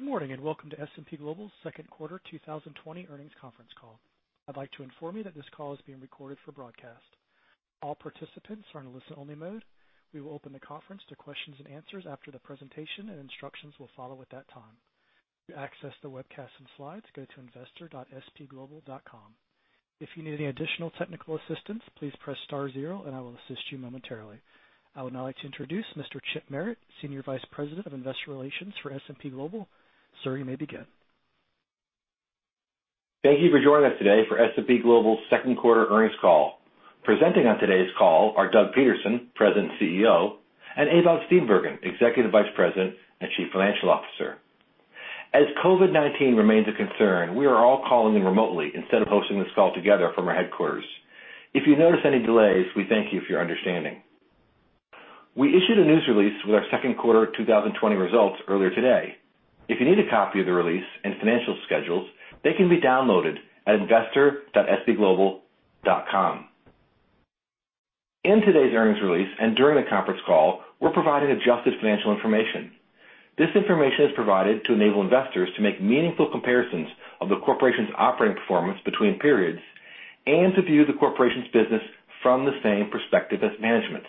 Good morning, welcome to S&P Global's second quarter 2020 earnings conference call. I'd like to inform you that this call is being recorded for broadcast. All participants are in a listen-only mode. We will open the conference to questions and answers after the presentation, and instructions will follow at that time. To access the webcast and slides, go to investor.spglobal.com. If you need any additional technical assistance, please press star zero and I will assist you momentarily. I would now like to introduce Mr. Chip Merritt, Senior Vice President of Investor Relations for S&P Global. Sir, you may begin. Thank you for joining us today for S&P Global's second quarter earnings call. Presenting on today's call are Doug Peterson, President, CEO, and Ewout Steenbergen, Executive Vice President and Chief Financial Officer. As COVID-19 remains a concern, we are all calling in remotely instead of hosting this call together from our headquarters. If you notice any delays, we thank you for your understanding. We issued a news release with our second quarter 2020 results earlier today. If you need a copy of the release and financial schedules, they can be downloaded at investor.spglobal.com. In today's earnings release and during the conference call, we're providing adjusted financial information. This information is provided to enable investors to make meaningful comparisons of the corporation's operating performance between periods and to view the corporation's business from the same perspective as management's.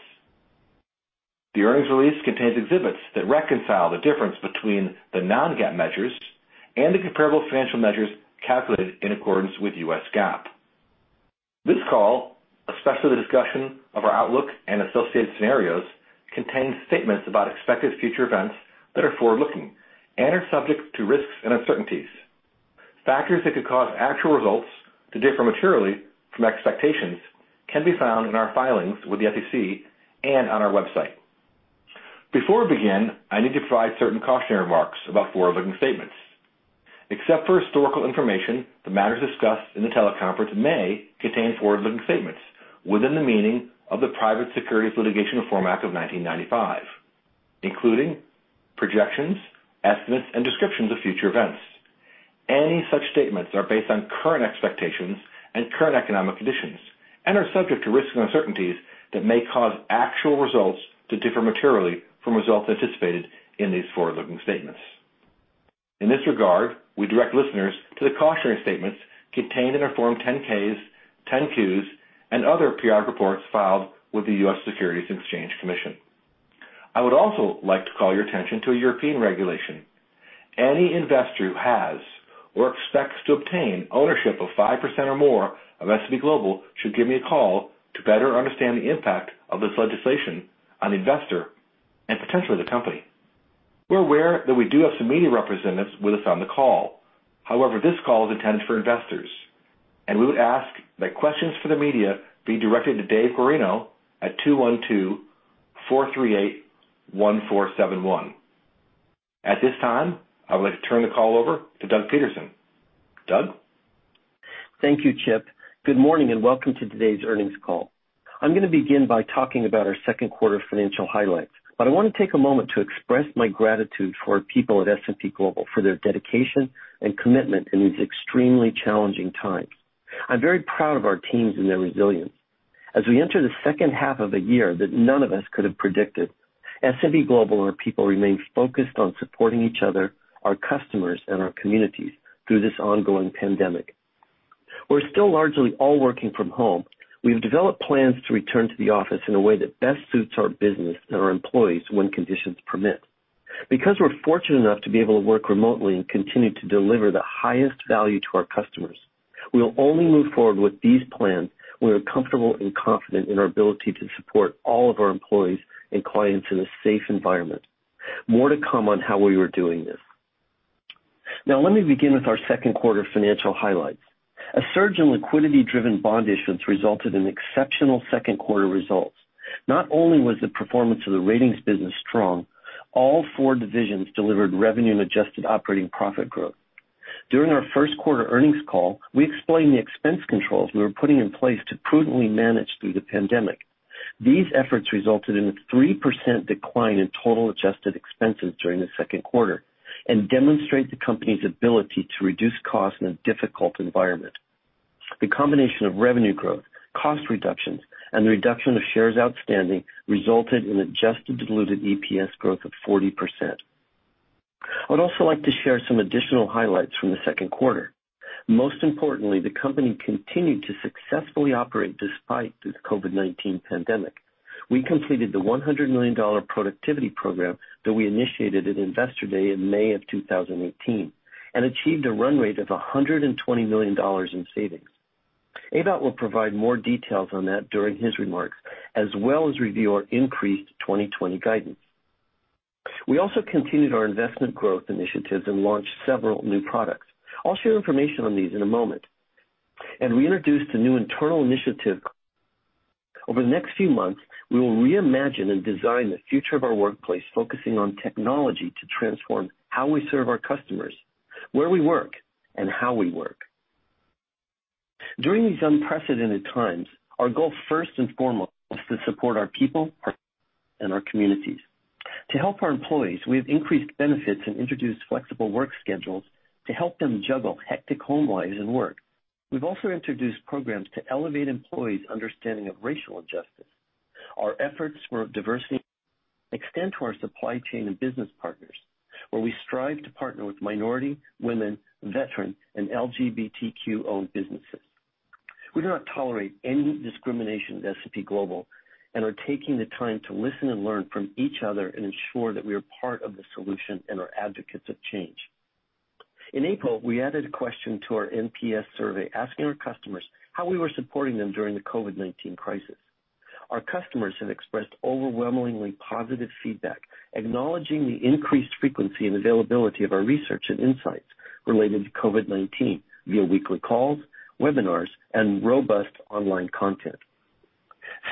The earnings release contains exhibits that reconcile the difference between the non-GAAP measures and the comparable financial measures calculated in accordance with U.S. GAAP. This call, especially the discussion of our outlook and associated scenarios, contains statements about expected future events that are forward-looking and are subject to risks and uncertainties. Factors that could cause actual results to differ materially from expectations can be found in our filings with the SEC and on our website. Before we begin, I need to provide certain cautionary remarks about forward-looking statements. Except for historical information, the matters discussed in the teleconference may contain forward-looking statements within the meaning of the Private Securities Litigation Reform Act of 1995, including projections, estimates, and descriptions of future events. Any such statements are based on current expectations and current economic conditions and are subject to risks and uncertainties that may cause actual results to differ materially from results anticipated in these forward-looking statements. In this regard, we direct listeners to the cautionary statements contained in our Form 10-Ks, 10-Qs, and other periodic reports filed with the U.S. Securities and Exchange Commission. I would also like to call your attention to a European regulation. Any investor who has or expects to obtain ownership of 5% or more of S&P Global should give me a call to better understand the impact of this legislation on the investor and potentially the company. We're aware that we do have some media representatives with us on the call. However, this call is intended for investors, and we would ask that questions for the media be directed to Dave Guarino at 212-438-1471. At this time, I would like to turn the call over to Doug Peterson. Doug? Thank you, Chip. Good morning and welcome to today's earnings call. I'm going to begin by talking about our second quarter financial highlights, but I want to take a moment to express my gratitude for our people at S&P Global for their dedication and commitment in these extremely challenging times. I'm very proud of our teams and their resilience. As we enter the second half of a year that none of us could have predicted, S&P Global and our people remain focused on supporting each other, our customers, and our communities through this ongoing pandemic. We're still largely all working from home. We have developed plans to return to the office in a way that best suits our business and our employees when conditions permit. Because we're fortunate enough to be able to work remotely and continue to deliver the highest value to our customers, we will only move forward with these plans when we're comfortable and confident in our ability to support all of our employees and clients in a safe environment. More to come on how we are doing this. Let me begin with our second quarter financial highlights. A surge in liquidity-driven bond issuance resulted in exceptional second quarter results. Not only was the performance of the Ratings business strong, all four divisions delivered revenue and adjusted operating profit growth. During our first quarter earnings call, we explained the expense controls we were putting in place to prudently manage through the pandemic. These efforts resulted in a 3% decline in total adjusted expenses during the second quarter and demonstrate the company's ability to reduce costs in a difficult environment. The combination of revenue growth, cost reductions, and the reduction of shares outstanding resulted in adjusted diluted EPS growth of 40%. I'd also like to share some additional highlights from the second quarter. Most importantly, the company continued to successfully operate despite the COVID-19 pandemic. We completed the $100 million productivity program that we initiated at Investor Day in May of 2018 and achieved a run rate of $120 million in savings. Ewout will provide more details on that during his remarks, as well as review our increased 2020 guidance. We also continued our investment growth initiatives and launched several new products. I'll share information on these in a moment. We introduced a new internal initiative. Over the next few months, we will reimagine and design the future of our workplace, focusing on technology to transform how we serve our customers, where we work, and how we work. During these unprecedented times, our goal first and foremost is to support our people and our communities. To help our employees, we have increased benefits and introduced flexible work schedules to help them juggle hectic home lives and work. We've also introduced programs to elevate employees' understanding of racial injustice. Our efforts for diversity extend to our supply chain and business partners, where we strive to partner with minority, women, veteran, and LGBTQ-owned businesses. We do not tolerate any discrimination at S&P Global and are taking the time to listen and learn from each other and ensure that we are part of the solution and are advocates of change. In April, we added a question to our NPS survey asking our customers how we were supporting them during the COVID-19 crisis. Our customers have expressed overwhelmingly positive feedback, acknowledging the increased frequency and availability of our research and insights related to COVID-19 via weekly calls, webinars, and robust online content.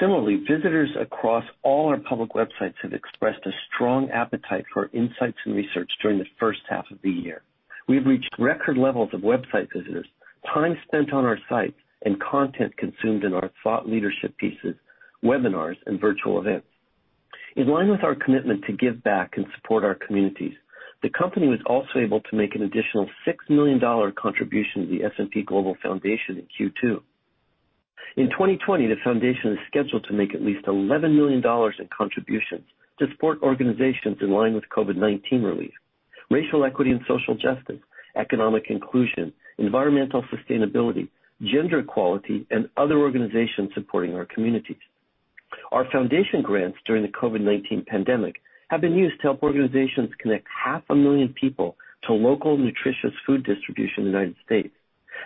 Similarly, visitors across all our public websites have expressed a strong appetite for insights and research during the first half of the year. We've reached record levels of website visitors, time spent on our site, and content consumed in our thought leadership pieces, webinars, and virtual events. In line with our commitment to give back and support our communities, the company was also able to make an additional $6 million contribution to the S&P Global Foundation in Q2. In 2020, the foundation is scheduled to make at least $11 million in contributions to support organizations in line with COVID-19 relief, racial equity and social justice, economic inclusion, environmental sustainability, gender equality, and other organizations supporting our communities. Our foundation grants during the COVID-19 pandemic have been used to help organizations connect half a million people to local nutritious food distribution in the United States,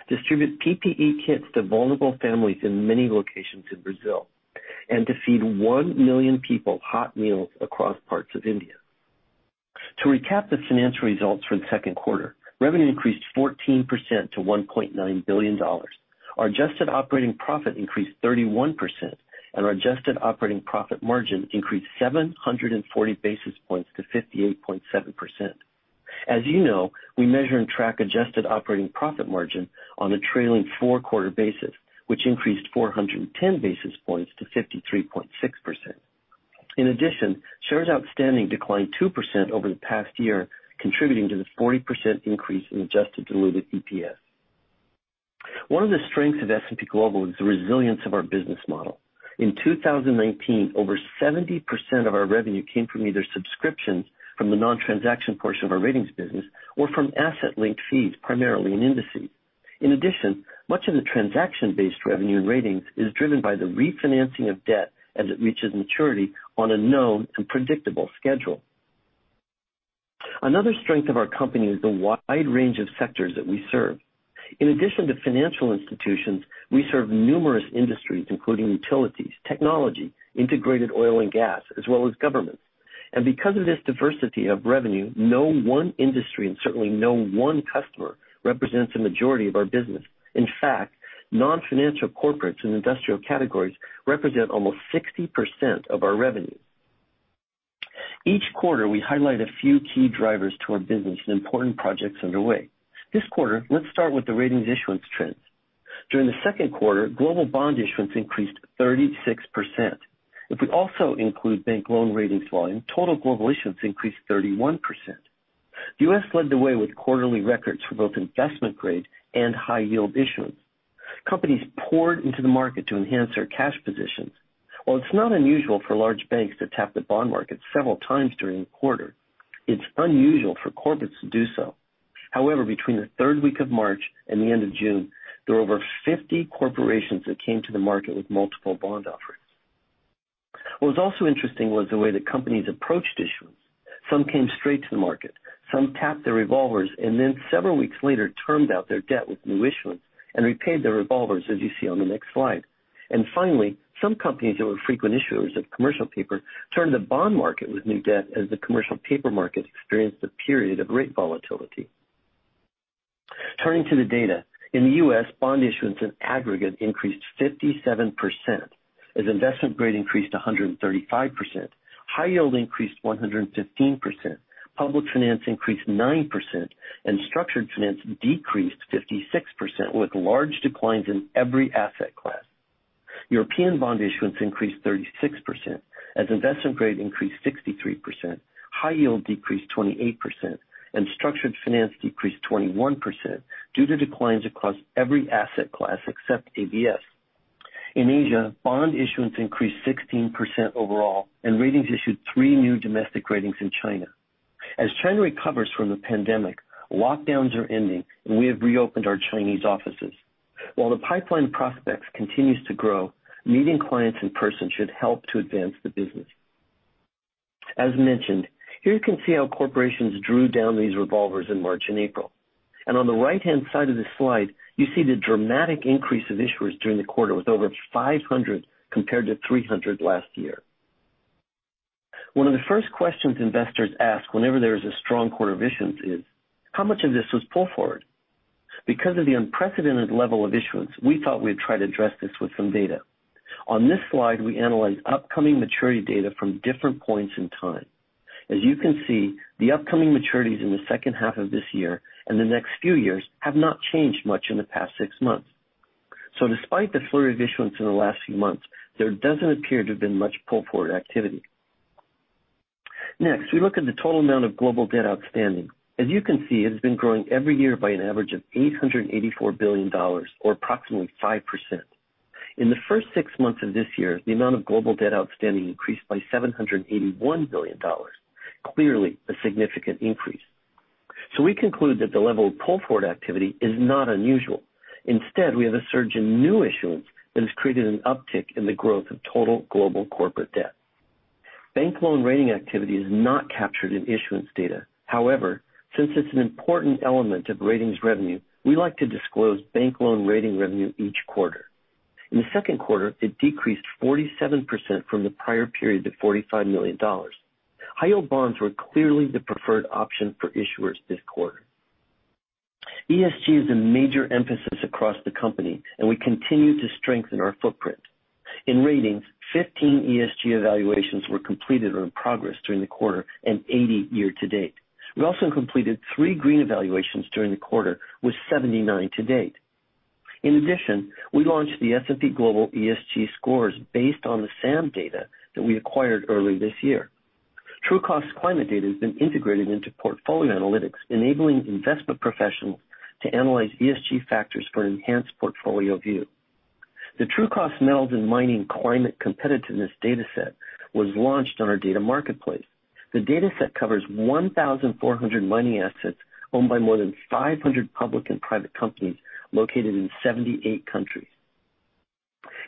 distribute PPE kits to vulnerable families in many locations in Brazil, and to feed one million people hot meals across parts of India. To recap the financial results for the second quarter, revenue increased 14% to $1.9 billion. Our adjusted operating profit increased 31%, and our adjusted operating profit margin increased 740 basis points to 58.7%. As you know, we measure and track adjusted operating profit margin on a trailing four-quarter basis, which increased 410 basis points to 53.6%. In addition, shares outstanding declined 2% over the past year, contributing to the 40% increase in adjusted diluted EPS. One of the strengths of S&P Global is the resilience of our business model. In 2019, over 70% of our revenue came from either subscriptions from the non-transaction portion of our Ratings business or from asset-linked fees, primarily in indices. In addition, much of the transaction-based revenue and ratings is driven by the refinancing of debt as it reaches maturity on a known and predictable schedule. Another strength of our company is the wide range of sectors that we serve. In addition to financial institutions, we serve numerous industries, including utilities, technology, integrated oil and gas, as well as government. Because of this diversity of revenue, no one industry and certainly no one customer represents a majority of our business. In fact, non-financial corporates and industrial categories represent almost 60% of our revenue. Each quarter, we highlight a few key drivers to our business and important projects underway. This quarter, let's start with the ratings issuance trends. During the second quarter, global bond issuance increased 36%. If we also include bank loan ratings volume, total global issuance increased 31%. The U.S. led the way with quarterly records for both investment-grade and high-yield issuance. Companies poured into the market to enhance their cash positions. While it's not unusual for large banks to tap the bond market several times during a quarter, it's unusual for corporates to do so. However, between the third week of March and the end of June, there were over 50 corporations that came to the market with multiple bond offerings. What was also interesting was the way that companies approached issuance. Some came straight to the market, some tapped their revolvers, and then several weeks later, termed out their debt with new issuance and repaid their revolvers, as you see on the next slide. Finally, some companies that were frequent issuers of commercial paper turned to the bond market with new debt as the commercial paper market experienced a period of great volatility. Turning to the data. In the U.S., bond issuance in aggregate increased 57%, as investment grade increased 135%, high yield increased 115%, public finance increased 9%, and structured finance decreased 56%, with large declines in every asset class. European bond issuance increased 36%, as investment grade increased 63%, high yield decreased 28%, and structured finance decreased 21% due to declines across every asset class except ABS. In Asia, bond issuance increased 16% overall, and ratings issued three new domestic ratings in China. As China recovers from the pandemic, lockdowns are ending, and we have reopened our Chinese offices. While the pipeline prospects continues to grow, meeting clients in person should help to advance the business. As mentioned, here you can see how corporations drew down these revolvers in March and April. On the right-hand side of the slide, you see the dramatic increase of issuers during the quarter, with over 500 compared to 300 last year. One of the first questions investors ask whenever there is a strong quarter of issuance is: How much of this was pull forward? Because of the unprecedented level of issuance, we thought we'd try to address this with some data. On this slide, we analyze upcoming maturity data from different points in time. As you can see, the upcoming maturities in the second half of this year and the next few years have not changed much in the past six months. Despite the flurry of issuance in the last few months, there doesn't appear to have been much pull-forward activity. We look at the total amount of global debt outstanding. As you can see, it has been growing every year by an average of $884 billion, or approximately 5%. In the first six months of this year, the amount of global debt outstanding increased by $781 billion. Clearly, a significant increase. We conclude that the level of pull-forward activity is not unusual. Instead, we have a surge in new issuance that has created an uptick in the growth of total global corporate debt. Bank loan rating activity is not captured in issuance data. Since it's an important element of ratings revenue, we like to disclose bank loan rating revenue each quarter. In the second quarter, it decreased 47% from the prior period to $45 million. High-yield bonds were clearly the preferred option for issuers this quarter. ESG is a major emphasis across the company, and we continue to strengthen our footprint. In ratings, 15 ESG evaluations were completed or in progress during the quarter, and 80 year to date. We also completed three green evaluations during the quarter, with 79 to date. In addition, we launched the S&P Global ESG Scores based on the SAM data that we acquired early this year. Trucost climate data has been integrated into portfolio analytics, enabling investment professionals to analyze ESG factors for an enhanced portfolio view. The Trucost Metals & Mining Climate Competitiveness dataset was launched on our data marketplace. The dataset covers 1,400 mining assets owned by more than 500 public and private companies located in 78 countries.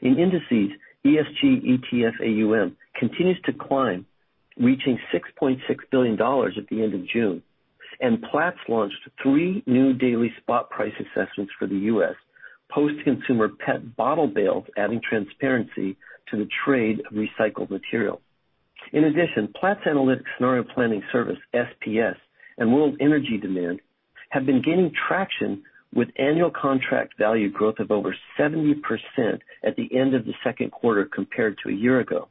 In Indices, ESG ETF AUM continues to climb, reaching $6.6 billion at the end of June. Platts launched three new daily spot price assessments for the U.S., post-consumer PET bottle bales, adding transparency to the trade of recycled material. In addition, Platts Analytics Scenario Planning Service, SPS, and world energy demand have been gaining traction with annual contract value growth of over 70% at the end of the second quarter compared to a year ago.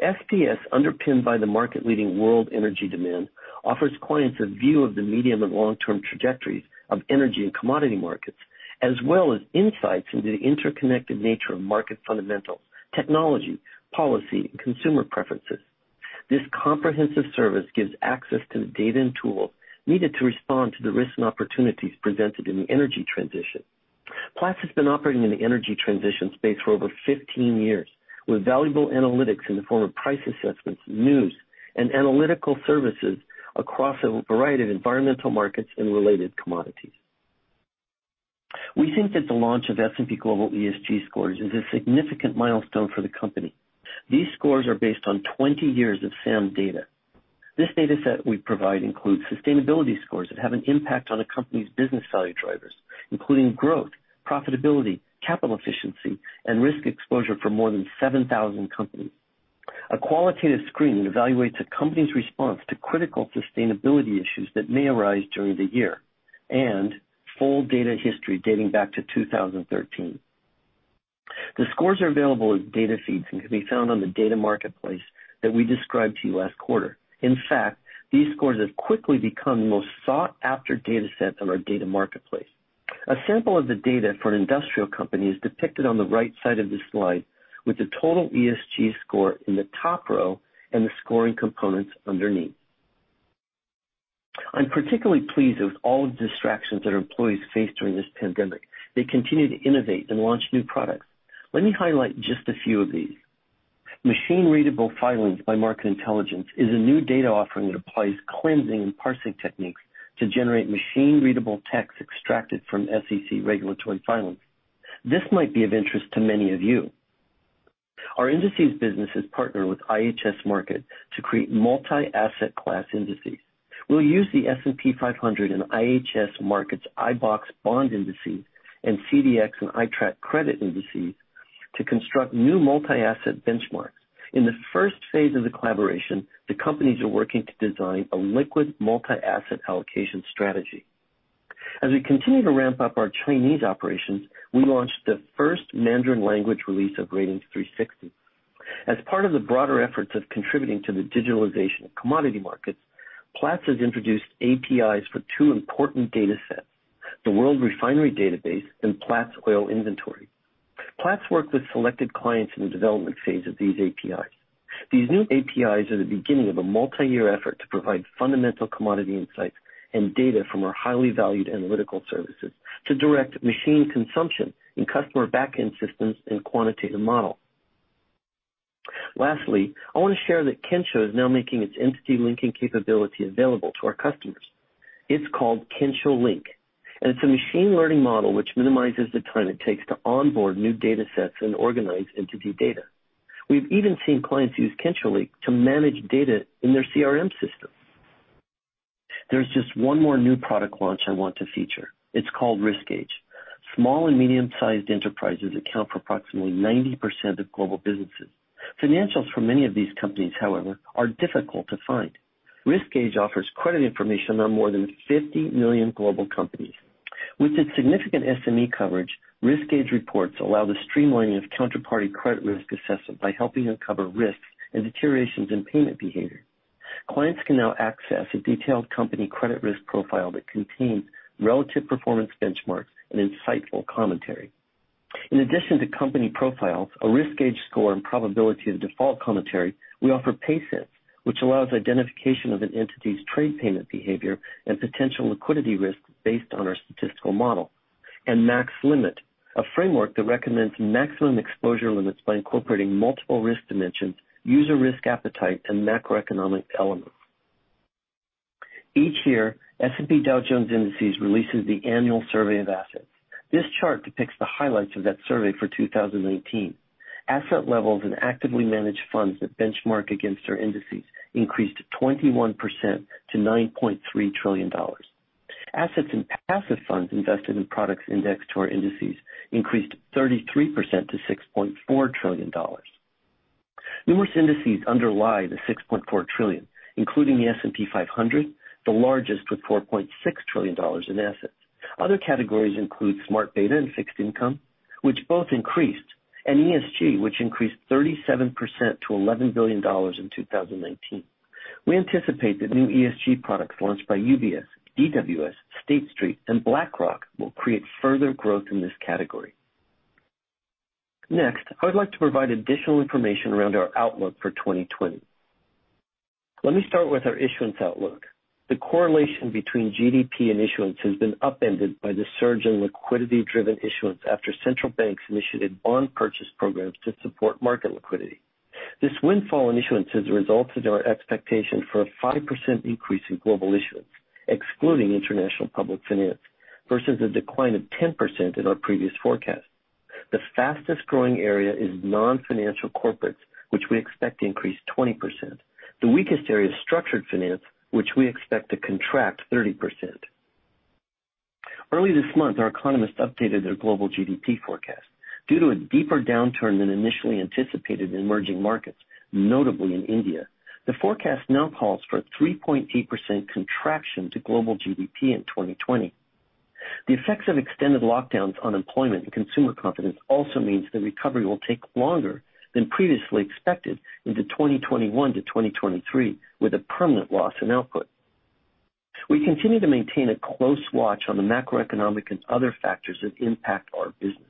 SPS, underpinned by the market-leading world energy demand, offers clients a view of the medium- and long-term trajectories of energy and commodity markets, as well as insights into the interconnected nature of market fundamentals, technology, policy, and consumer preferences. This comprehensive service gives access to the data and tools needed to respond to the risks and opportunities presented in the energy transition. Platts has been operating in the energy transition space for over 15 years, with valuable analytics in the form of price assessments, news, and analytical services across a variety of environmental markets and related commodities. We think that the launch of S&P Global ESG Scores is a significant milestone for the company. These scores are based on 20 years of SAM data. This dataset we provide includes sustainability scores that have an impact on a company's business value drivers, including growth, profitability, capital efficiency, and risk exposure for more than 7,000 companies. A qualitative screening evaluates a company's response to critical sustainability issues that may arise during the year and full data history dating back to 2013. The scores are available as data feeds and can be found on the data marketplace that we described to you last quarter. In fact, these scores have quickly become the most sought-after datasets on our data marketplace. A sample of the data for an industrial company is depicted on the right side of this slide, with the total ESG Score in the top row and the scoring components underneath. I'm particularly pleased with all the distractions that our employees faced during this pandemic. They continued to innovate and launch new products. Let me highlight just a few of these. Machine-readable filings by Market Intelligence is a new data offering that applies cleansing and parsing techniques to generate machine-readable text extracted from SEC regulatory filings. This might be of interest to many of you. Our indices business has partnered with IHS Markit to create multi-asset class indices. We'll use the S&P 500 and IHS Markit's iBoxx bond indices and CDX and iTraxx credit indices to construct new multi-asset benchmarks. In the first phase of the collaboration, the companies are working to design a liquid multi-asset allocation strategy. As we continue to ramp up our Chinese operations, we launched the first Mandarin language release of Ratings360. As part of the broader efforts of contributing to the digitalization of commodity markets, Platts has introduced APIs for two important datasets, the World Refinery Database and Platts Oil Inventory. Platts worked with selected clients in the development phase of these APIs. These new APIs are the beginning of a multi-year effort to provide fundamental commodity insights and data from our highly valued analytical services to direct machine consumption in customer back-end systems and quantitative models. Lastly, I want to share that Kensho is now making its entity linking capability available to our customers. It's called Kensho Link, and it's a machine learning model which minimizes the time it takes to onboard new datasets and organize entity data. We've even seen clients use Kensho Link to manage data in their CRM system. There's just one more new product launch I want to feature. It's called RiskGauge. Small and medium-sized enterprises account for approximately 90% of global businesses. Financials for many of these companies, however, are difficult to find. RiskGauge offers credit information on more than 50 million global companies. With its significant SME coverage, RiskGauge reports allow the streamlining of counterparty credit risk assessment by helping uncover risks and deteriorations in payment behavior. Clients can now access a detailed company credit risk profile that contains relative performance benchmarks and insightful commentary. In addition to company profiles, a RiskGauge score, and probability of default commentary, we offer PaySense, which allows identification of an entity's trade payment behavior and potential liquidity risks based on our statistical model, and MaxLimit, a framework that recommends maximum exposure limits by incorporating multiple risk dimensions, user risk appetite, and macroeconomic elements. Each year, S&P Dow Jones Indices releases the annual survey of assets. This chart depicts the highlights of that survey for 2018. Asset levels in actively managed funds that benchmark against our indices increased 21% to $9.3 trillion. Assets in passive funds invested in products indexed to our indices increased 33% to $6.4 trillion. Numerous indices underlie the $6.4 trillion, including the S&P 500, the largest with $4.6 trillion in assets. Other categories include smart beta and fixed income, which both increased, and ESG, which increased 37% to $11 billion in 2019. We anticipate that new ESG products launched by UBS, DWS, State Street, and BlackRock will create further growth in this category. Next, I would like to provide additional information around our outlook for 2020. Let me start with our issuance outlook. The correlation between GDP and issuance has been upended by the surge in liquidity-driven issuance after central banks initiated bond purchase programs to support market liquidity. This windfall in issuance has resulted in our expectation for a 5% increase in global issuance, excluding international public finance, versus a decline of 10% in our previous forecast. The fastest-growing area is non-financial corporates, which we expect to increase 20%. The weakest area is structured finance, which we expect to contract 30%. Early this month, our economists updated their global GDP forecast. Due to a deeper downturn than initially anticipated in emerging markets, notably in India, the forecast now calls for a 3.8% contraction to global GDP in 2020. The effects of extended lockdowns, unemployment, and consumer confidence also means the recovery will take longer than previously expected into 2021-2023, with a permanent loss in output. We continue to maintain a close watch on the macroeconomic and other factors that impact our business.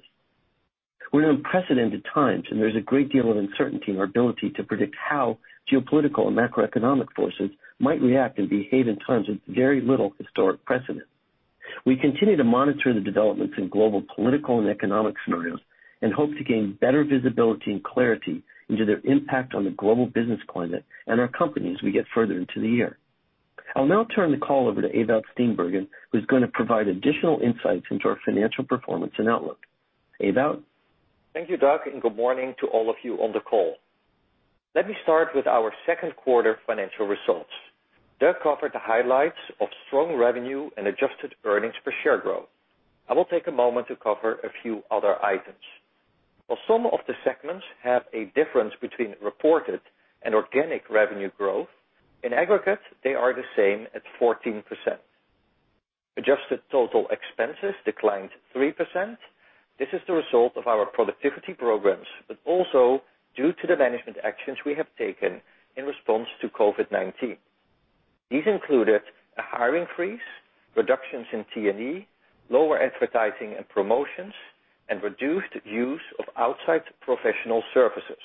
We're in unprecedented times, and there's a great deal of uncertainty in our ability to predict how geopolitical and macroeconomic forces might react and behave in times of very little historic precedent. We continue to monitor the developments in global political and economic scenarios and hope to gain better visibility and clarity into their impact on the global business climate and our company as we get further into the year. I'll now turn the call over to Ewout Steenbergen, who's going to provide additional insights into our financial performance and outlook. Ewout? Thank you, Doug, and good morning to all of you on the call. Let me start with our second quarter financial results. Doug covered the highlights of strong revenue and adjusted earnings per share growth. I will take a moment to cover a few other items. While some of the segments have a difference between reported and organic revenue growth, in aggregate, they are the same at 14%. Adjusted total expenses declined 3%. This is the result of our productivity programs, but also due to the management actions we have taken in response to COVID-19. These included a hiring freeze, reductions in T&E, lower advertising and promotions, and reduced use of outside professional services.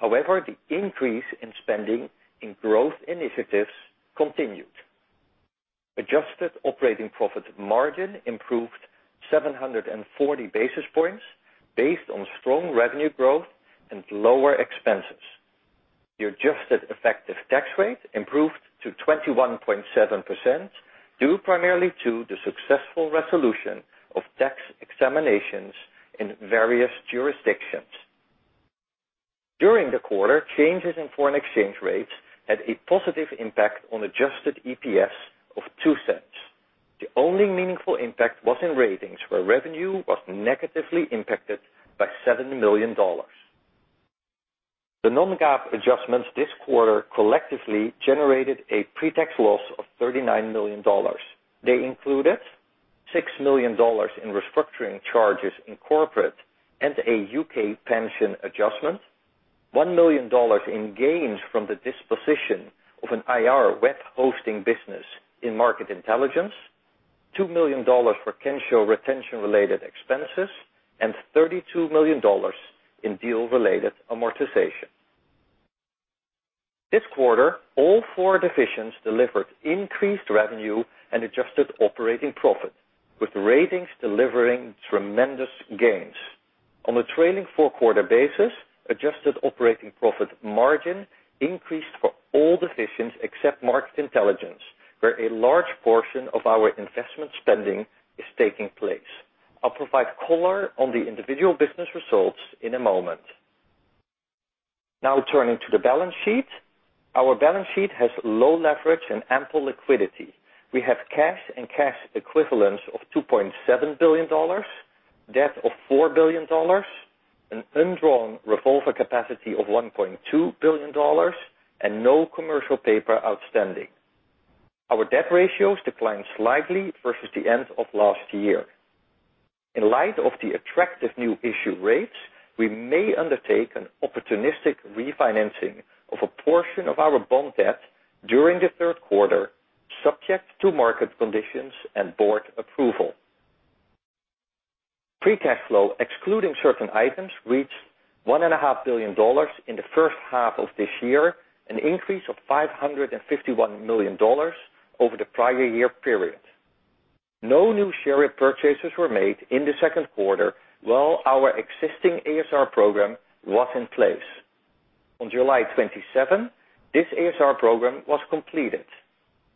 However, the increase in spending in growth initiatives continued. Adjusted operating profit margin improved 740 basis points based on strong revenue growth and lower expenses. The adjusted effective tax rate improved to 21.7%, due primarily to the successful resolution of tax examinations in various jurisdictions. During the quarter, changes in foreign exchange rates had a positive impact on adjusted EPS of $0.02. The only meaningful impact was in ratings, where revenue was negatively impacted by $7 million. The non-GAAP adjustments this quarter collectively generated a pre-tax loss of $39 million. They included $6 million in restructuring charges in corporate and a U.K. pension adjustment, $1 million in gains from the disposition of an IR web hosting business in Market Intelligence, $2 million for Kensho retention-related expenses, and $32 million in deal-related amortization. This quarter, all four divisions delivered increased revenue and adjusted operating profit, with ratings delivering tremendous gains. On a trailing four-quarter basis, adjusted operating profit margin increased for all divisions except Market Intelligence, where a large portion of our investment spending is taking place. I'll provide color on the individual business results in a moment. Turning to the balance sheet. Our balance sheet has low leverage and ample liquidity. We have cash and cash equivalents of $2.7 billion, debt of $4 billion, an undrawn revolver capacity of $1.2 billion, and no commercial paper outstanding. Our debt ratios declined slightly versus the end of last year. In light of the attractive new issue rates, we may undertake an opportunistic refinancing of a portion of our bond debt during the third quarter, subject to market conditions and board approval. Free cash flow, excluding certain items, reached $1.5 billion in the first half of this year, an increase of $551 million over the prior year period. No new share repurchases were made in the second quarter, while our existing ASR program was in place. On July 27, this ASR program was completed.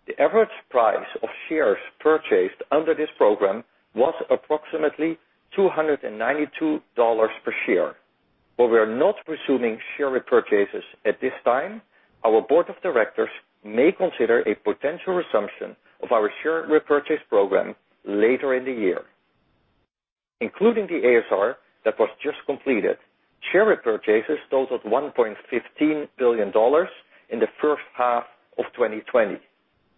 The average price of shares purchased under this program was approximately $292 per share. While we are not resuming share repurchases at this time, our board of directors may consider a potential resumption of our share repurchase program later in the year. Including the ASR that was just completed, share repurchases totaled $1.15 billion in the first half of 2020.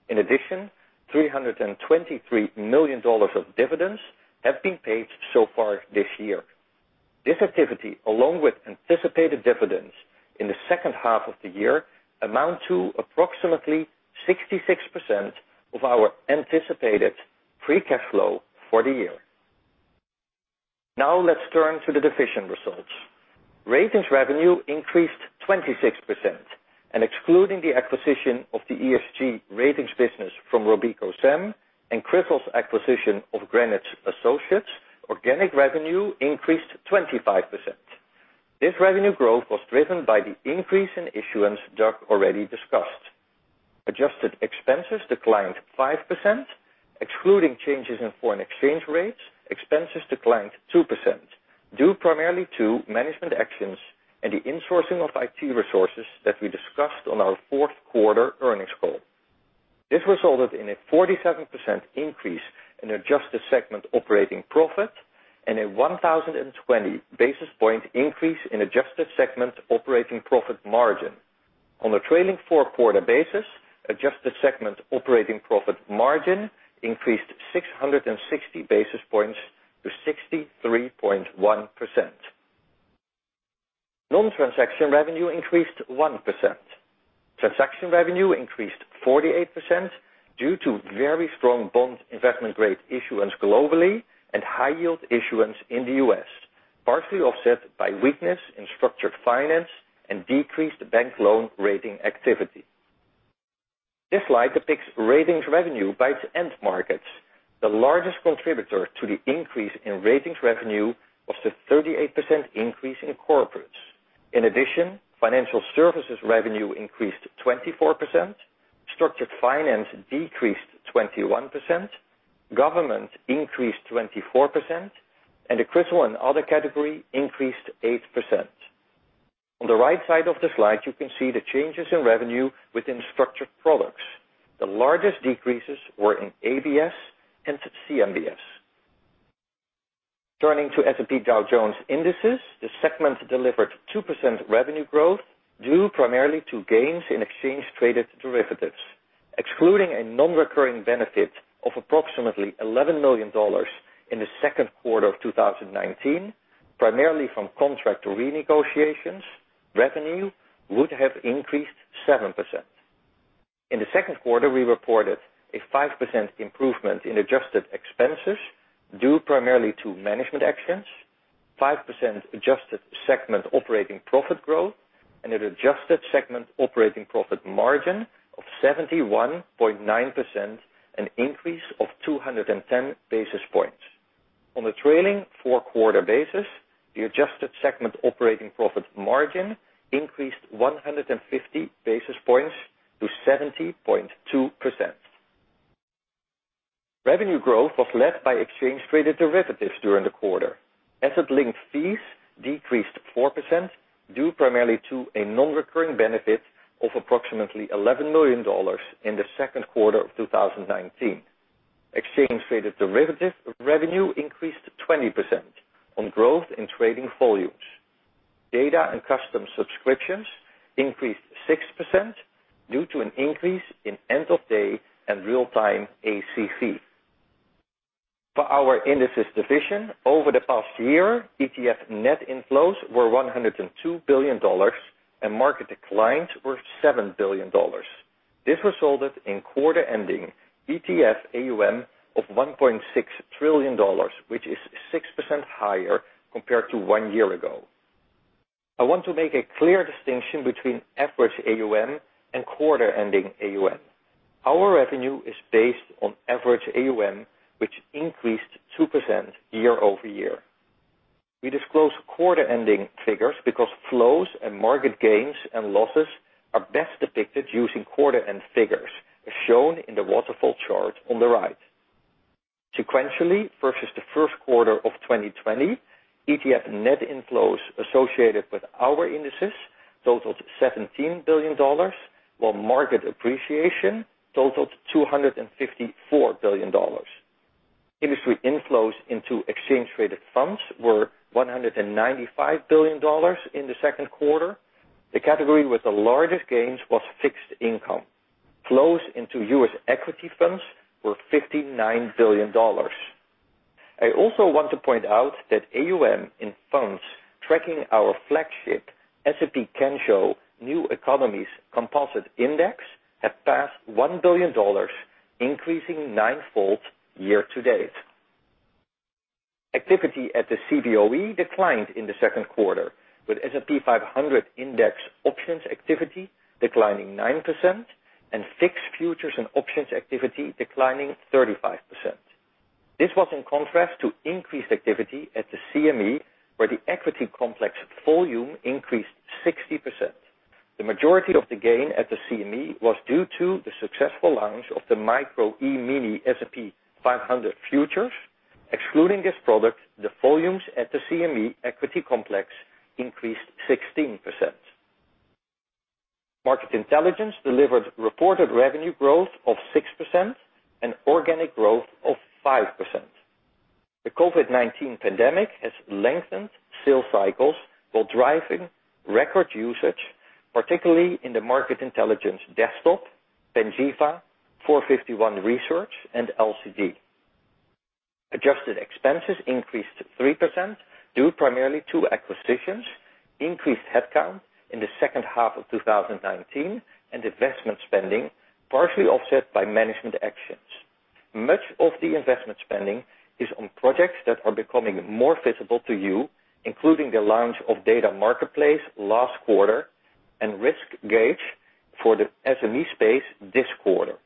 In addition, $323 million of dividends have been paid so far this year. This activity, along with anticipated dividends in the second half of the year, amount to approximately 66% of our anticipated free cash flow for the year. Now let's turn to the division results. Ratings revenue increased 26% and excluding the acquisition of the ESG Ratings business from RobecoSAM and CRISIL's acquisition of Greenwich Associates, organic revenue increased 25%. This revenue growth was driven by the increase in issuance Doug already discussed. Adjusted expenses declined 5%, excluding changes in foreign exchange rates, expenses declined 2% due primarily to management actions and the insourcing of IT resources that we discussed on our fourth quarter earnings call. This resulted in a 47% increase in adjusted segment operating profit and a 1,020 basis point increase in adjusted segment operating profit margin. On a trailing four-quarter basis, adjusted segment operating profit margin increased 660 basis points to 63.1%. Non-transaction revenue increased 1%. Transaction revenue increased 48% due to very strong bond investment grade issuance globally and high yield issuance in the U.S., partially offset by weakness in structured finance and decreased bank loan rating activity. This slide depicts ratings revenue by its end markets. The largest contributor to the increase in ratings revenue was the 38% increase in corporates. In addition, financial services revenue increased 24%, structured finance decreased 21%, government increased 24%, and the CRISIL and other category increased 8%. On the right side of the slide, you can see the changes in revenue within structured products. The largest decreases were in ABS and CMBS. Turning to S&P Dow Jones Indices, the segment delivered 2% revenue growth due primarily to gains in exchange traded derivatives. Excluding a non-recurring benefit of approximately $11 million in the second quarter of 2019, primarily from contract renegotiations, revenue would have increased 7%. In the second quarter, we reported a 5% improvement in adjusted expenses due primarily to management actions, 5% adjusted segment operating profit growth, and an adjusted segment operating profit margin of 71.9%, an increase of 210 basis points. On a trailing four-quarter basis, the adjusted segment operating profit margin increased 150 basis points to 70.2%. Revenue growth was led by exchange traded derivatives during the quarter. Asset-linked fees decreased 4% due primarily to a non-recurring benefit of approximately $11 million in the second quarter of 2019. Exchange traded derivative revenue increased 20% on growth in trading volumes. Data and custom subscriptions increased 6% due to an increase in end-of-day and real-time ACV. For our indices division, over the past year, ETF net inflows were $102 billion, and market declines were $7 billion. This resulted in quarter-ending ETF AUM of $1.6 trillion, which is 6% higher compared to one year ago. I want to make a clear distinction between average AUM and quarter-ending AUM. Our revenue is based on average AUM, which increased 2% year-over-year. We disclose quarter-ending figures because flows and market gains and losses are best depicted using quarter-end figures, as shown in the waterfall chart on the right. Sequentially, versus the first quarter of 2020, ETF net inflows associated with our indices totaled $17 billion, while market appreciation totaled $254 billion. Industry inflows into exchange traded funds were $195 billion in the second quarter. The category with the largest gains was fixed income. Flows into U.S. equity funds were $59 billion. I also want to point out that AUM in funds tracking our flagship S&P Kensho New Economies Composite Index have passed $1 billion, increasing nine-fold year-to-date. Activity at the Cboe declined in the second quarter, with S&P 500 index options activity declining 9% and VIX futures and options activity declining 35%. This was in contrast to increased activity at the CME, where the equity complex volume increased 60%. The majority of the gain at the CME was due to the successful launch of the Micro E-mini S&P 500 futures. Excluding this product, the volumes at the CME equity complex increased 16%. Market Intelligence delivered reported revenue growth of 6% and organic growth of 5%. The COVID-19 pandemic has lengthened sales cycles while driving record usage, particularly in the Market Intelligence, Desktop, Panjiva, 451 Research, and LCD. Adjusted expenses increased 3% due primarily to acquisitions, increased headcount in the second half of 2019, and investment spending, partially offset by management actions. Much of the investment spending is on projects that are becoming more visible to you, including the launch of S&P Global Marketplace last quarter and RiskGauge for the SME space this quarter.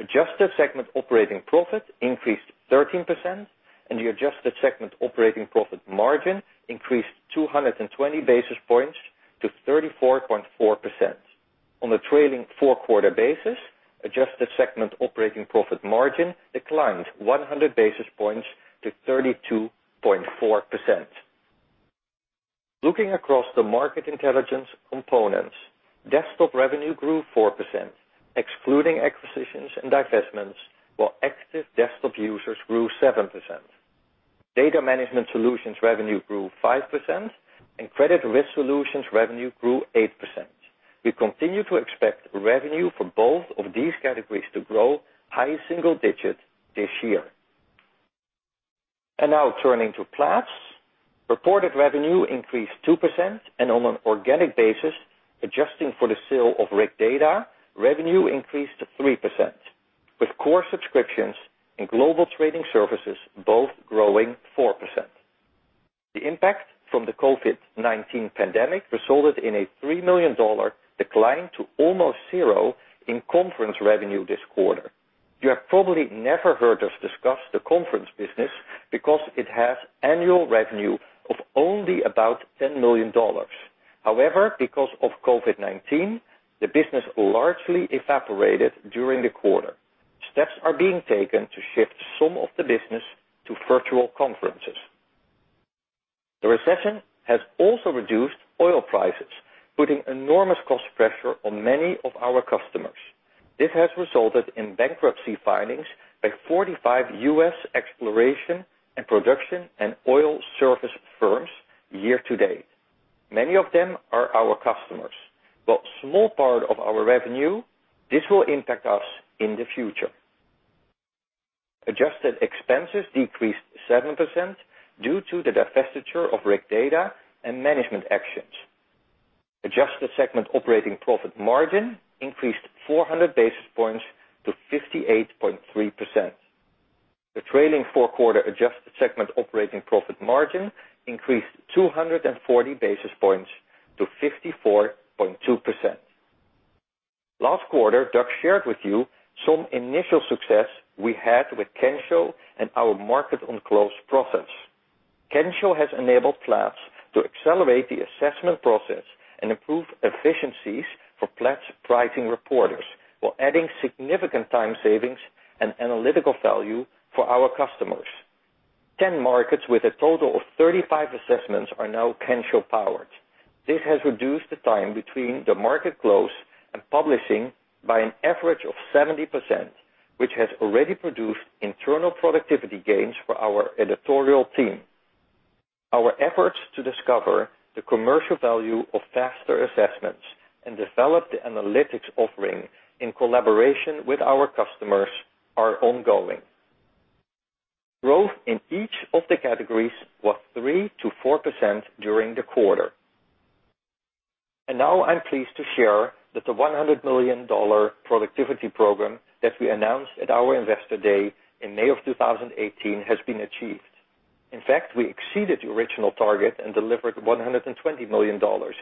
Adjusted segment operating profit increased 13% and the adjusted segment operating profit margin increased 220 basis points to 34.4%. On the trailing four-quarter basis, adjusted segment operating profit margin declined 100 basis points to 32.4%. Looking across the Market Intelligence components, desktop revenue grew 4%, excluding acquisitions and divestments, while active desktop users grew 7%. Data Management Solutions revenue grew 5% and Credit and Risk Solutions revenue grew 8%. We continue to expect revenue for both of these categories to grow high single digits this year. Now turning to Platts. Reported revenue increased 2% and on an organic basis, adjusting for the sale of RigData, revenue increased 3%, with core subscriptions and global trading services both growing 4%. The impact from the COVID-19 pandemic resulted in a $3 million decline to almost zero in conference revenue this quarter. You have probably never heard us discuss the conference business because it has annual revenue of only about $10 million. However, because of COVID-19, the business largely evaporated during the quarter. Steps are being taken to shift some of the business to virtual conferences. The recession has also reduced oil prices, putting enormous cost pressure on many of our customers. This has resulted in bankruptcy filings by 45 U.S. exploration and production and oil service firms year-to-date. Many of them are our customers. While a small part of our revenue, this will impact us in the future. Adjusted expenses decreased 7% due to the divestiture of RigData and management actions. Adjusted segment operating profit margin increased 400 basis points to 58.3%. The trailing four-quarter adjusted segment operating profit margin increased 240 basis points to 54.2%. Last quarter, Doug shared with you some initial success we had with Kensho and our Market on Close process. Kensho has enabled Platts to accelerate the assessment process and improve efficiencies for Platts pricing reporters while adding significant time savings and analytical value for our customers. 10 markets with a total of 35 assessments are now Kensho-powered. This has reduced the time between the market close and publishing by an average of 70%, which has already produced internal productivity gains for our editorial team. Our efforts to discover the commercial value of faster assessments and develop the analytics offering in collaboration with our customers are ongoing. Growth in each of the categories was 3%-4% during the quarter. Now I'm pleased to share that the $100 million productivity program that we announced at our Investor Day in May of 2018 has been achieved. In fact, we exceeded the original target and delivered $120 million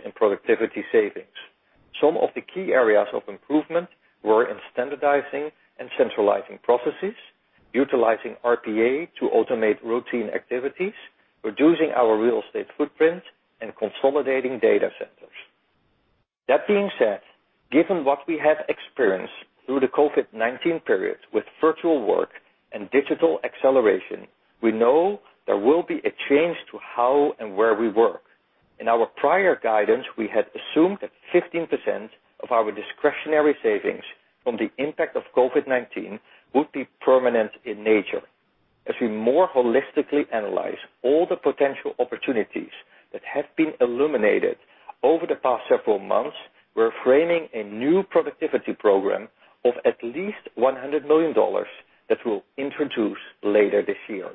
in productivity savings. Some of the key areas of improvement were in standardizing and centralizing processes, utilizing RPA to automate routine activities, reducing our real estate footprint, and consolidating data centers. That being said, given what we have experienced through the COVID-19 period with virtual work and digital acceleration, we know there will be a change to how and where we work. In our prior guidance, we had assumed that 15% of our discretionary savings from the impact of COVID-19 would be permanent in nature. As we more holistically analyze all the potential opportunities that have been illuminated over the past several months, we're framing a new productivity program of at least $100 million that we'll introduce later this year.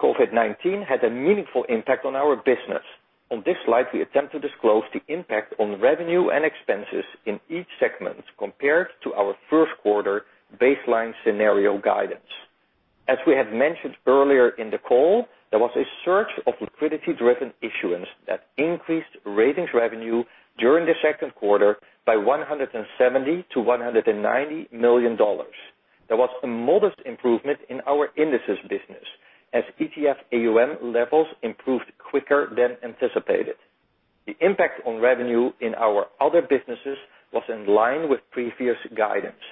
COVID-19 had a meaningful impact on our business. On this slide, we attempt to disclose the impact on revenue and expenses in each segment compared to our first quarter baseline scenario guidance. As we had mentioned earlier in the call, there was a surge of liquidity-driven issuance that increased ratings revenue during the second quarter by $170 million-$190 million. There was a modest improvement in our indices business as ETF AUM levels improved quicker than anticipated. The impact on revenue in our other businesses was in line with previous guidance.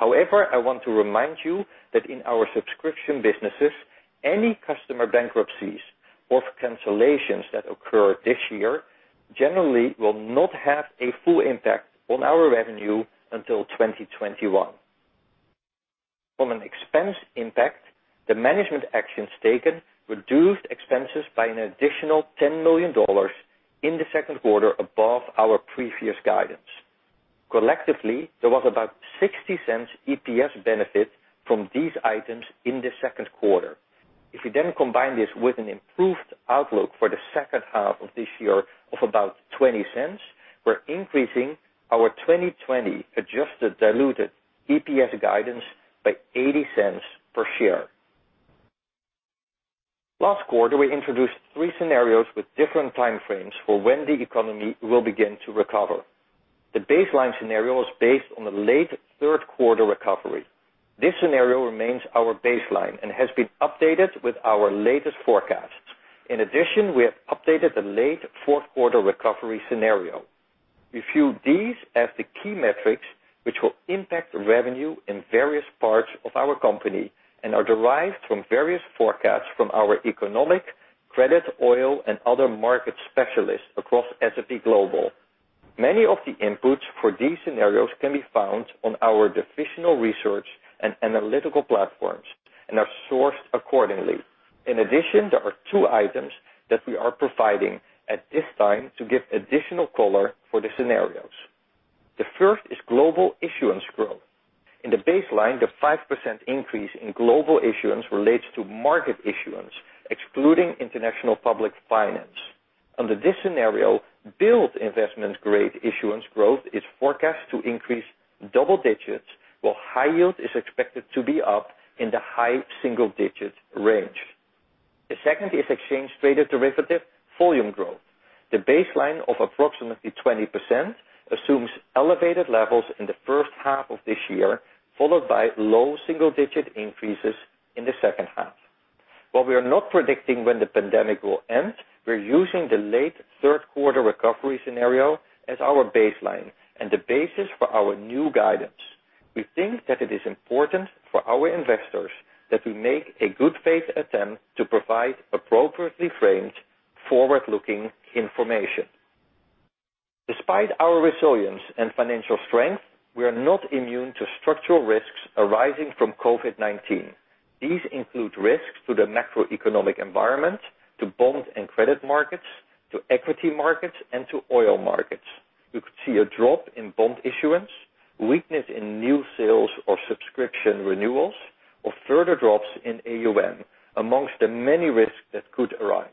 I want to remind you that in our subscription businesses, any customer bankruptcies or cancellations that occur this year generally will not have a full impact on our revenue until 2021. From an expense impact, the management actions taken reduced expenses by an additional $10 million in the second quarter above our previous guidance. There was about $0.60 EPS benefit from these items in the second quarter. If we then combine this with an improved outlook for the second half of this year of about $0.20, we're increasing our 2020 adjusted diluted EPS guidance by $0.80 per share. Last quarter, we introduced three scenarios with different time frames for when the economy will begin to recover. The baseline scenario is based on a late third quarter recovery. This scenario remains our baseline and has been updated with our latest forecasts. We have updated the late fourth quarter recovery scenario. We view these as the key metrics, which will impact revenue in various parts of our company and are derived from various forecasts from our economic, credit, oil, and other market specialists across S&P Global. Many of the inputs for these scenarios can be found on our divisional research and analytical platforms and are sourced accordingly. There are two items that we are providing at this time to give additional color for the scenarios. The first is global issuance growth. In the baseline, the 5% increase in global issuance relates to market issuance, excluding international public finance. Under this scenario, build investment grade issuance growth is forecast to increase double digits, while high yield is expected to be up in the high single-digit range. The second is exchange traded derivative volume growth. The baseline of approximately 20% assumes elevated levels in the first half of this year, followed by low single-digit increases in the second half. While we are not predicting when the pandemic will end, we're using the late third quarter recovery scenario as our baseline and the basis for our new guidance. We think that it is important for our investors that we make a good faith attempt to provide appropriately framed, forward-looking information. Despite our resilience and financial strength, we are not immune to structural risks arising from COVID-19. These include risks to the macroeconomic environment, to bond and credit markets, to equity markets, and to oil markets. We could see a drop in bond issuance, weakness in new sales or subscription renewals, or further drops in AUM amongst the many risks that could arise.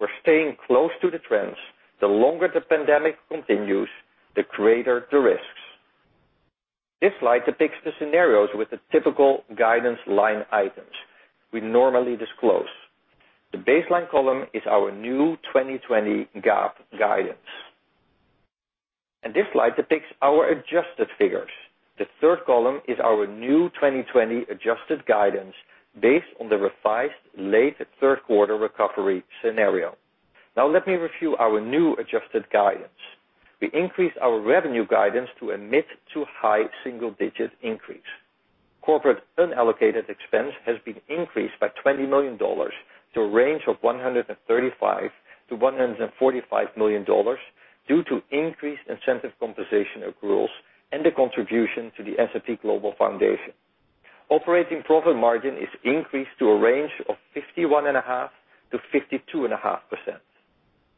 We're staying close to the trends. The longer the pandemic continues, the greater the risks. This slide depicts the scenarios with the typical guidance line items we normally disclose. The baseline column is our new 2020 GAAP guidance. This slide depicts our adjusted figures. The third column is our new 2020 adjusted guidance based on the revised late third quarter recovery scenario. Let me review our new adjusted guidance. We increased our revenue guidance to a mid to high single-digit increase. Corporate unallocated expense has been increased by $20 million to a range of $135 million-$145 million due to increased incentive compensation accruals and the contribution to the S&P Global Foundation. Operating profit margin is increased to a range of 51.5%-52.5%.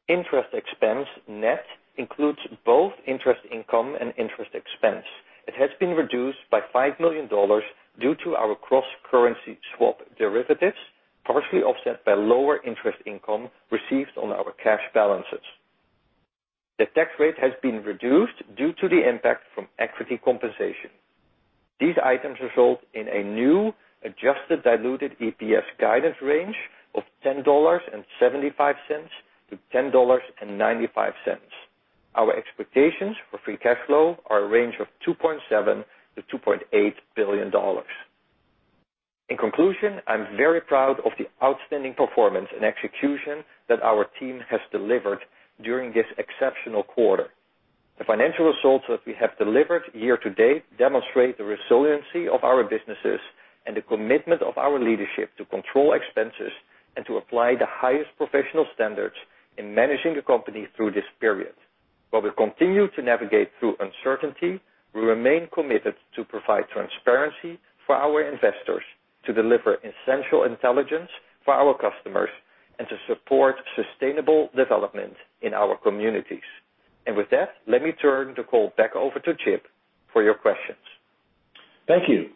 Interest expense net includes both interest income and interest expense. It has been reduced by $5 million due to our cross-currency swap derivatives, partially offset by lower interest income received on our cash balances. The tax rate has been reduced due to the impact from equity compensation. These items result in a new adjusted diluted EPS guidance range of $10.75-$10.95. Our expectations for free cash flow are a range of $2.7 billion-$2.8 billion. In conclusion, I'm very proud of the outstanding performance and execution that our team has delivered during this exceptional quarter. The financial results that we have delivered year to date demonstrate the resiliency of our businesses and the commitment of our leadership to control expenses and to apply the highest professional standards in managing the company through this period. While we continue to navigate through uncertainty, we remain committed to provide transparency for our investors, to deliver essential intelligence for our customers, and to support sustainable development in our communities. With that, let me turn the call back over to Chip for your questions. Thank you.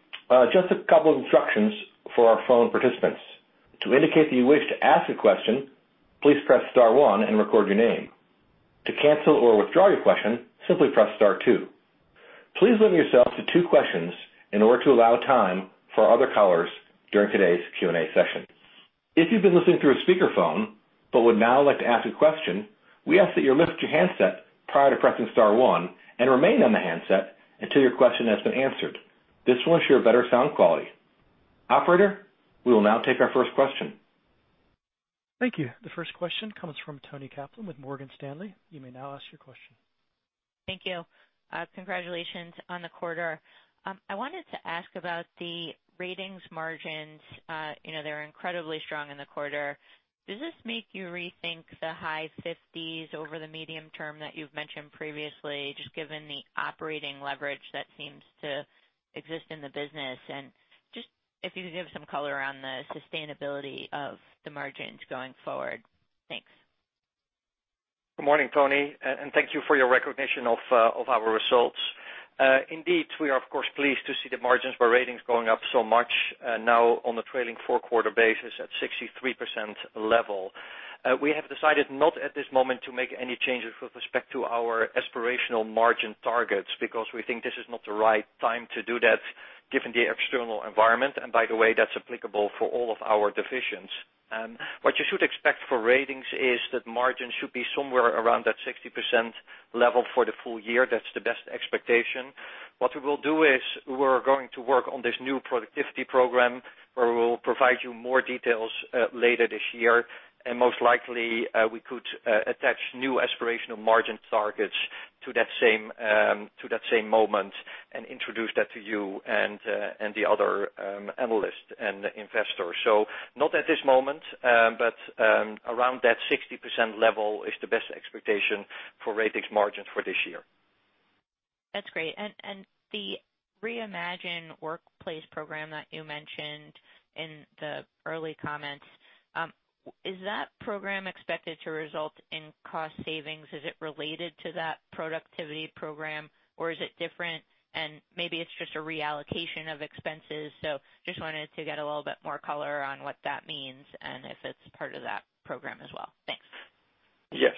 Just a couple of instructions for our phone participants. To indicate that you wish to ask a question, please press star one and record your name. To cancel or withdraw your question, simply press star two. Please limit yourself to two questions in order to allow time for other callers during today's Q&A session. If you've been listening through a speakerphone but would now like to ask a question, we ask that you're muted your handset prior to pressing star one and remain on the handset until your question has been answered. This will ensure better sound quality. Operator, we will now take our first question. Thank you. The first question comes from Toni Kaplan with Morgan Stanley. You may now ask your question. Thank you. Congratulations on the quarter. I wanted to ask about the ratings margins. They're incredibly strong in the quarter. Does this make you rethink the high 50%s over the medium term that you've mentioned previously, just given the operating leverage that seems to exist in the business? Just if you could give some color around the sustainability of the margins going forward. Thanks. Good morning, Toni. Thank you for your recognition of our results. Indeed, we are, of course, pleased to see the margins for ratings going up so much now on the trailing four-quarter basis at 63% level. We have decided not at this moment to make any changes with respect to our aspirational margin targets, because we think this is not the right time to do that, given the external environment. By the way, that's applicable for all of our divisions. What you should expect for ratings is that margins should be somewhere around that 60% level for the full year. That's the best expectation. What we will do is we're going to work on this new productivity program, where we will provide you more details later this year, and most likely, we could attach new aspirational margin targets to that same moment and introduce that to you and the other analysts and investors. Not at this moment, but around that 60% level is the best expectation for ratings margins for this year. That's great. The Reimagine Workplace Program that you mentioned in the early comments, is that program expected to result in cost savings? Is it related to that productivity program or is it different and maybe it's just a reallocation of expenses? Just wanted to get a little bit more color on what that means and if it's part of that program as well. Thanks. Yes.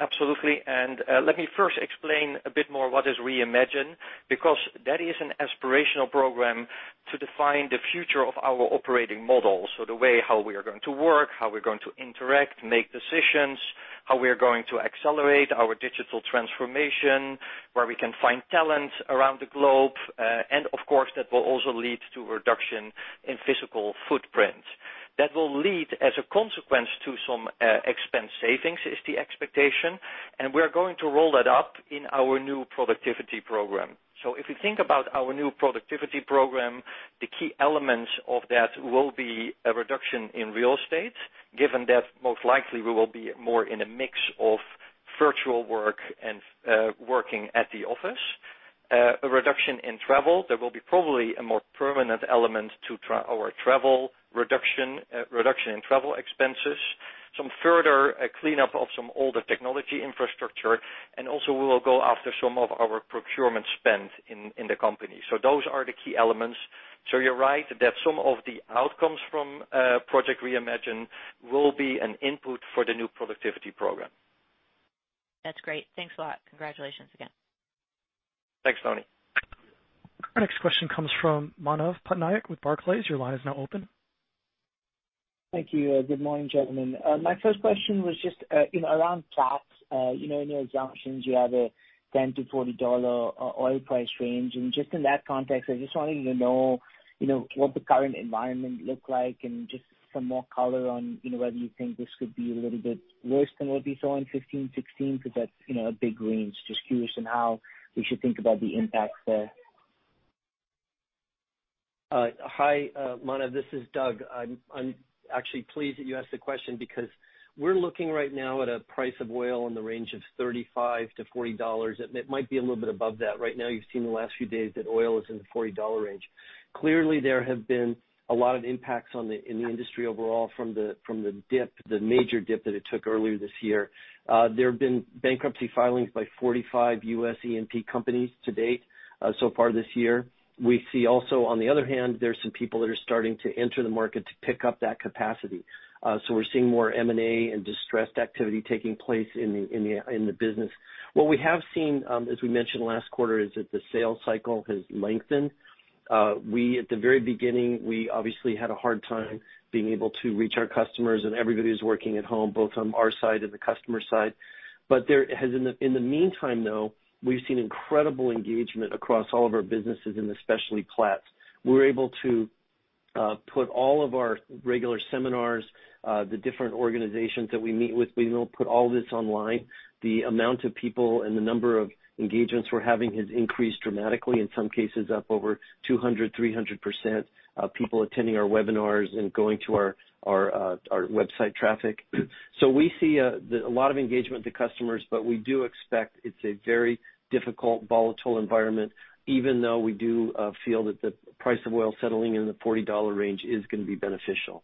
Absolutely. Let me first explain a bit more what is Reimagine, because that is an aspirational program to define the future of our operating model. The way how we are going to work, how we're going to interact, make decisions, how we are going to accelerate our digital transformation, where we can find talent around the globe. Of course, that will also lead to reduction in physical footprint. That will lead, as a consequence, to some expense savings, is the expectation, and we are going to roll that up in our new productivity program. If you think about our new productivity program, the key elements of that will be a reduction in real estate, given that most likely we will be more in a mix of virtual work and working at the office. A reduction in travel. There will be probably a more permanent element to our travel reduction in travel expenses. Some further cleanup of some older technology infrastructure. We will go after some of our procurement spend in the company. Those are the key elements. You're right that some of the outcomes from Project Reimagine will be an input for the new productivity program. That's great. Thanks a lot. Congratulations again. Thanks, Toni. Our next question comes from Manav Patnaik with Barclays. Your line is now open. Thank you. Good morning, gentlemen. My first question was just around Platts. In your assumptions, you have a $10-$40 oil price range. Just in that context, I just wanted to know what the current environment look like and just some more color on whether you think this could be a little bit worse than what we saw in 2015, 2016, because that's a big range. Just curious on how we should think about the impacts there. Hi, Manav, this is Doug. I'm actually pleased that you asked the question because we're looking right now at a price of oil in the range of $35-$40. It might be a little bit above that. Right now, you've seen the last few days that oil is in the $40 range. Clearly, there have been a lot of impacts in the industry overall from the major dip that it took earlier this year. There have been bankruptcy filings by 45 U.S. E&P companies to date so far this year. We see also, on the other hand, there's some people that are starting to enter the market to pick up that capacity. We're seeing more M&A and distressed activity taking place in the business. What we have seen, as we mentioned last quarter, is that the sales cycle has lengthened. At the very beginning, we obviously had a hard time being able to reach our customers and everybody who's working at home, both on our side and the customer side. In the meantime, though, we've seen incredible engagement across all of our businesses, and especially Platts. We were able to put all of our regular seminars, the different organizations that we meet with, we now put all this online. The amount of people and the number of engagements we're having has increased dramatically, in some cases up over 200%, 300% of people attending our webinars and going to our website traffic. We see a lot of engagement with the customers, but we do expect it's a very difficult, volatile environment, even though we do feel that the price of oil settling in the $40 range is going to be beneficial.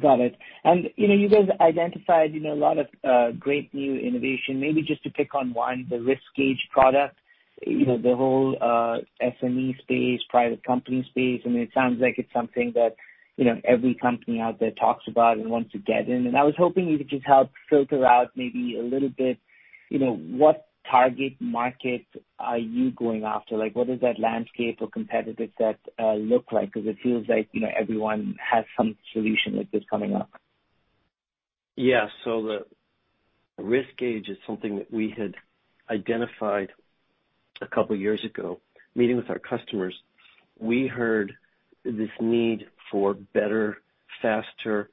Got it. You guys identified a lot of great new innovation. Maybe just to pick on one, the RiskGauge product, the whole SME space, private company space. It sounds like it's something that every company out there talks about and wants to get in. I was hoping you could just help filter out maybe a little bit, what target market are you going after? What does that landscape or competitive set look like? It feels like everyone has some solution like this coming up. Yeah. The RiskGauge is something that we had identified a couple of years ago. Meeting with our customers, we heard this need for better, faster,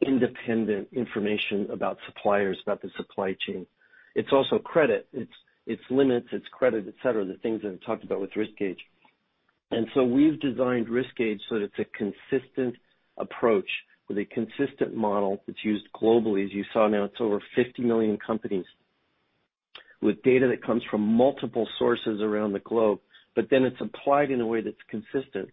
independent information about suppliers, about the supply chain. It's also credit. It's limits, it's credit, et cetera, the things that we talked about with RiskGauge. We've designed RiskGauge so that it's a consistent approach with a consistent model that's used globally. As you saw now, it's over 50 million companies with data that comes from multiple sources around the globe, but then it's applied in a way that's consistent.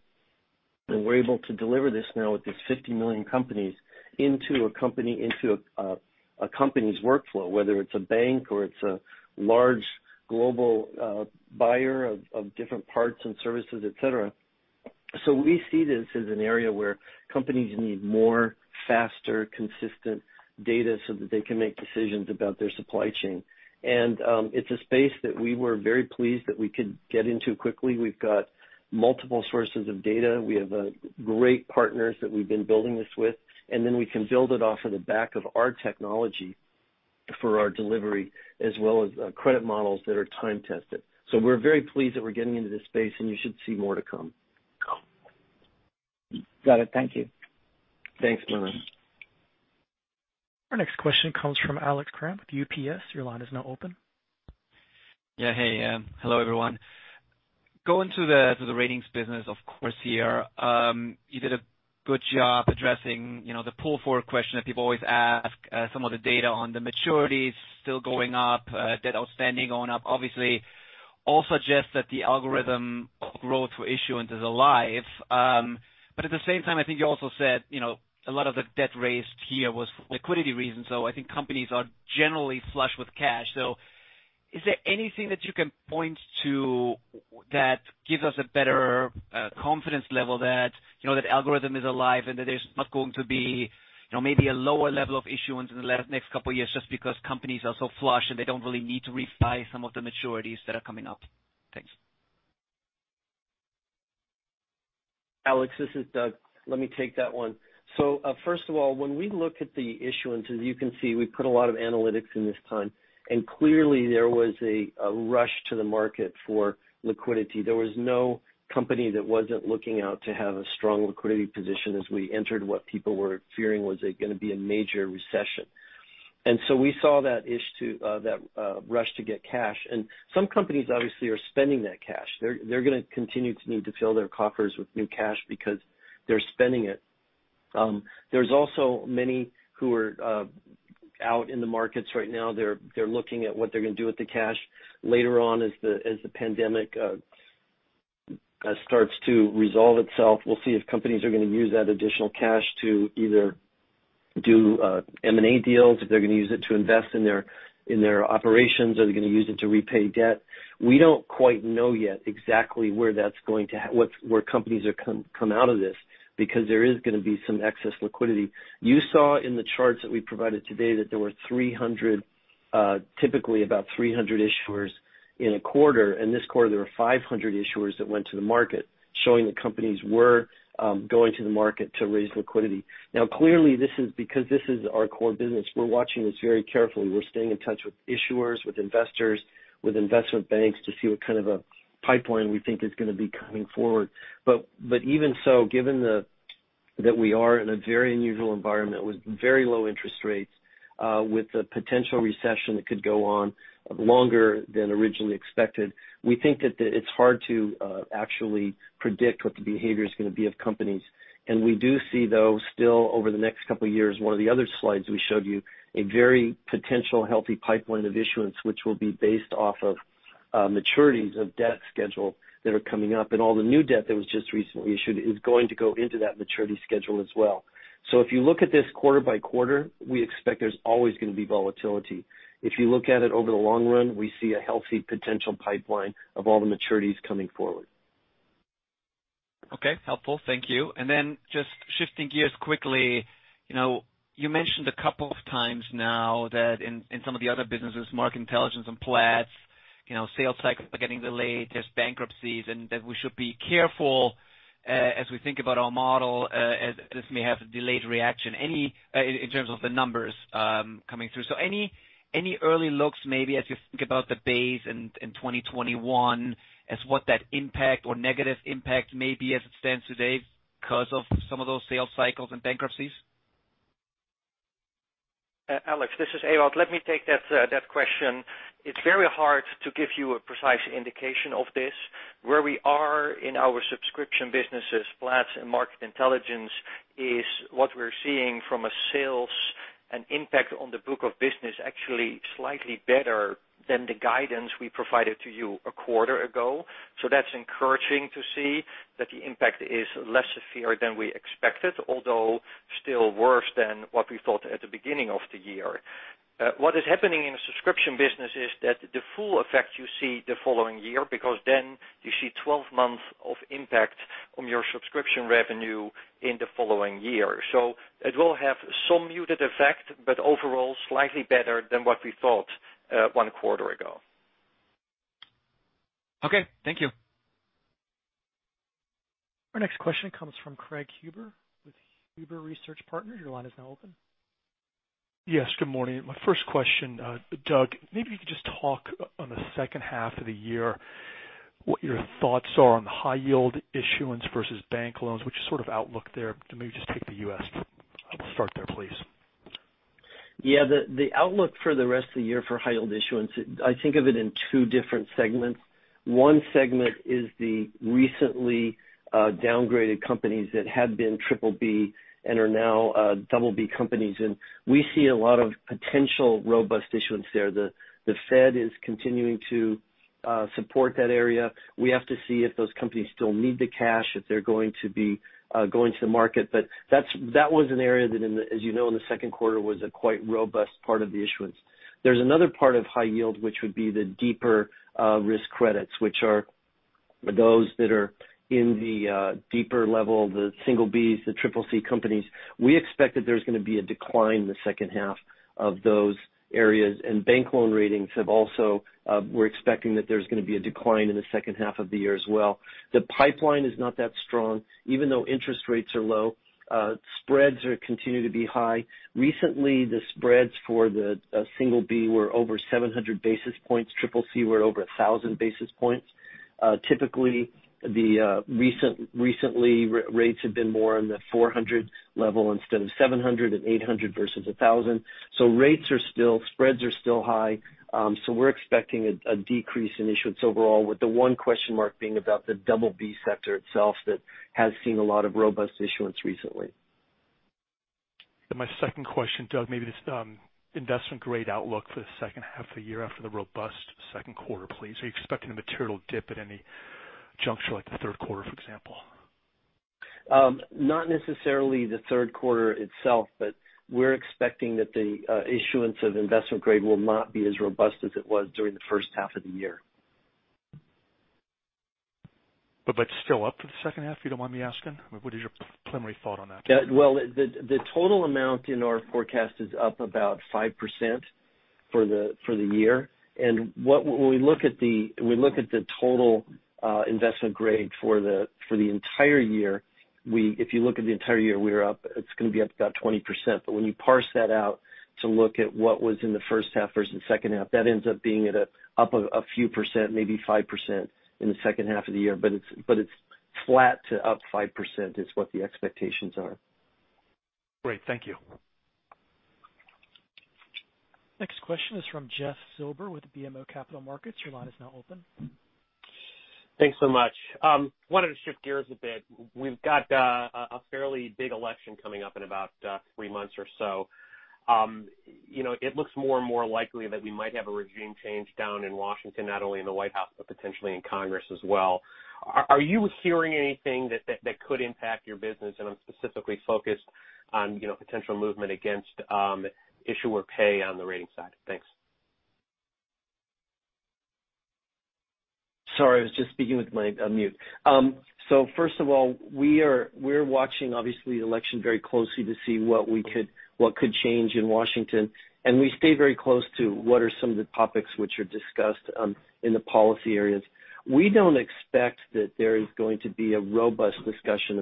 We're able to deliver this now with these 50 million companies into a company's workflow, whether it's a bank or it's a large global buyer of different parts and services, et cetera. We see this as an area where companies need more faster, consistent data so that they can make decisions about their supply chain. It's a space that we were very pleased that we could get into quickly. We've got multiple sources of data. We have great partners that we've been building this with, and then we can build it off of the back of our technology for our delivery as well as credit models that are time-tested. We're very pleased that we're getting into this space, and you should see more to come. Got it. Thank you. Thanks, Manav. Our next question comes from Alex Kramm with UBS. Your line is now open. Yeah. Hey. Hello, everyone. Going to the Ratings business, of course, here, you did a good job addressing the pull-forward question that people always ask. Some of the data on the maturities still going up, debt outstanding going up, obviously all suggests that the algorithm growth for issuance is alive. At the same time, I think you also said a lot of the debt raised here was liquidity reasons, so I think companies are generally flush with cash. Is there anything that you can point to that gives us a better confidence level that algorithm is alive and that there's not going to be maybe a lower level of issuance in the next couple of years just because companies are so flush and they don't really need to refi some of the maturities that are coming up? Thanks. Alex, this is Doug. Let me take that one. First of all, when we look at the issuance, as you can see, we put a lot of analytics in this time, and clearly there was a rush to the market for liquidity. There was no company that wasn't looking out to have a strong liquidity position as we entered what people were fearing was going to be a major recession. We saw that rush to get cash. Some companies, obviously, are spending that cash. They're going to continue to need to fill their coffers with new cash because they're spending it. There's also many who are out in the markets right now. They're looking at what they're going to do with the cash. Later on as the pandemic starts to resolve itself, we'll see if companies are going to use that additional cash to either do M&A deals, if they're going to use it to invest in their operations, are they going to use it to repay debt? We don't quite know yet exactly where companies are come out of this because there is going to be some excess liquidity. You saw in the charts that we provided today that there were typically about 300 issuers in a quarter. In this quarter, there were 500 issuers that went to the market, showing that companies were going to the market to raise liquidity. Clearly, because this is our core business, we're watching this very carefully. We're staying in touch with issuers, with investors, with investment banks to see what kind of a pipeline we think is going to be coming forward. Even so, given that we are in a very unusual environment with very low interest rates, with a potential recession that could go on longer than originally expected, we think that it's hard to actually predict what the behavior is going to be of companies. We do see, though, still over the next couple of years, one of the other slides we showed you, a very potential healthy pipeline of issuance, which will be based off of maturities of debt schedule that are coming up. All the new debt that was just recently issued is going to go into that maturity schedule as well. If you look at this quarter by quarter, we expect there's always going to be volatility. If you look at it over the long run, we see a healthy potential pipeline of all the maturities coming forward. Okay. Helpful. Thank you. Just shifting gears quickly, you mentioned a couple of times now that in some of the other businesses, Market Intelligence and Platts, sales cycles are getting delayed, there's bankruptcies, and that we should be careful as we think about our model as this may have a delayed reaction in terms of the numbers coming through. Any early looks maybe as you think about the base in 2021 as what that impact or negative impact may be as it stands today because of some of those sales cycles and bankruptcies? Alex, this is Ewout. Let me take that question. It's very hard to give you a precise indication of this. Where we are in our subscription businesses, Platts and Market Intelligence, is what we're seeing from a sales and impact on the book of business actually slightly better than the guidance we provided to you a quarter ago. That's encouraging to see that the impact is less severe than we expected, although still worse than what we thought at the beginning of the year. What is happening in the subscription business is that the full effect you see the following year, because then you see 12 months of impact on your subscription revenue in the following year. It will have some muted effect, but overall, slightly better than what we thought one quarter ago. Okay. Thank you. Our next question comes from Craig Huber with Huber Research Partners. Your line is now open. Yes, good morning. My first question, Doug, maybe you could just talk on the second half of the year, what your thoughts are on the high yield issuance versus bank loans, which sort of outlook there? Maybe just take the U.S. I will start there, please. Yeah. The outlook for the rest of the year for high yield issuance, I think of it in two different segments. One segment is the recently downgraded companies that had been BBB and are now BB companies. We see a lot of potential robust issuance there. The Fed is continuing to support that area. We have to see if those companies still need the cash, if they're going to be going to the market. That was an area that, as you know, in the second quarter was a quite robust part of the issuance. There's another part of high yield, which would be the deeper risk credits, which are those that are in the deeper level, the single Bs, the CCC companies. We expect that there's going to be a decline in the second half of those areas. Bank loan ratings have also, we're expecting that there's going to be a decline in the second half of the year as well. The pipeline is not that strong. Even though interest rates are low, spreads continue to be high. Recently, the spreads for the single B were over 700 basis points. CCC were over 1,000 basis points. Typically, the recently rates have been more in the 400 level instead of 700 and 800 versus 1,000. Spreads are still high. We're expecting a decrease in issuance overall with the one question mark being about the BB sector itself that has seen a lot of robust issuance recently. My second question, Doug, maybe just investment grade outlook for the second half of the year after the robust second quarter, please. Are you expecting a material dip at any juncture like the third quarter, for example? Not necessarily the third quarter itself, but we're expecting that the issuance of investment grade will not be as robust as it was during the first half of the year. Still up for the second half? You don't mind me asking? What is your preliminary thought on that? Well, the total amount in our forecast is up about 5% for the year. When we look at the total investment grade for the entire year, if you look at the entire year, it's going to be up about 20%. When you parse that out to look at what was in the first half versus second half, that ends up being at up a few percent, maybe 5% in the second half of the year. It's flat to up 5% is what the expectations are. Great. Thank you. Next question is from Jeff Silber with BMO Capital Markets. Your line is now open. I wanted to shift gears a bit. We've got a fairly big election coming up in about three months or so. It looks more and more likely that we might have a regime change down in Washington, not only in the White House, but potentially in Congress as well. Are you hearing anything that could impact your business? I'm specifically focused on potential movement against issuer pay on the ratings side. Thanks. Sorry, I was just speaking with my mute. First of all, we're watching, obviously, the election very closely to see what could change in Washington, and we stay very close to what are some of the topics which are discussed in the policy areas. We don't expect that there is going to be a robust discussion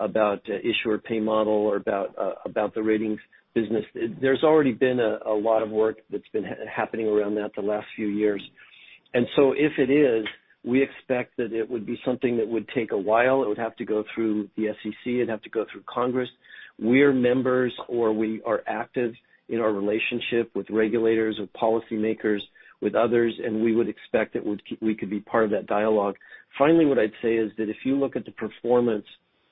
about issuer pay model or about the Ratings business. There's already been a lot of work that's been happening around that the last few years. If it is, we expect that it would be something that would take a while. It would have to go through the SEC, it'd have to go through Congress. We are members, or we are active in our relationship with regulators, with policymakers, with others, and we would expect that we could be part of that dialogue. Finally, what I'd say is that if you look at the performance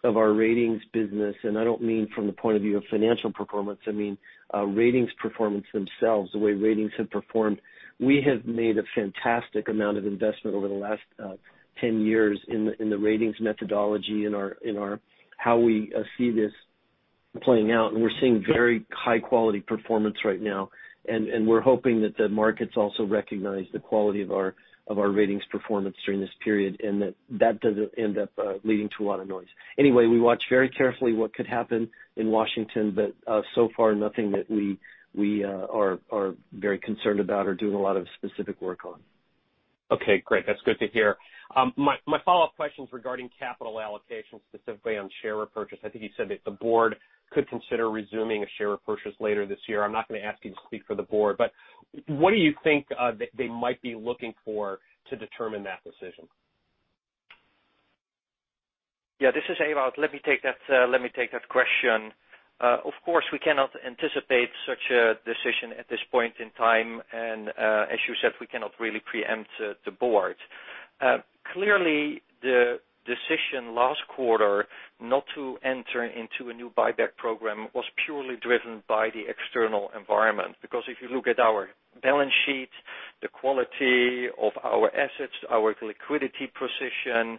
of our Ratings business, and I don't mean from the point of view of financial performance, I mean ratings performance themselves, the way ratings have performed. We have made a fantastic amount of investment over the last 10 years in the ratings methodology in how we see this playing out. We're seeing very high-quality performance right now. We're hoping that the markets also recognize the quality of our ratings performance during this period and that doesn't end up leading to a lot of noise. We watch very carefully what could happen in Washington, so far nothing that we are very concerned about or doing a lot of specific work on. Okay, great. That's good to hear. My follow-up question is regarding capital allocation, specifically on share repurchase. I think you said that the board could consider resuming a share repurchase later this year. I'm not going to ask you to speak for the board, but what do you think they might be looking for to determine that decision? Yeah, this is Ewout. Let me take that question. Of course, we cannot anticipate such a decision at this point in time. As you said, we cannot really preempt the board. Clearly, the decision last quarter not to enter into a new buyback program was purely driven by the external environment. Because if you look at our balance sheet, the quality of our assets, our liquidity position,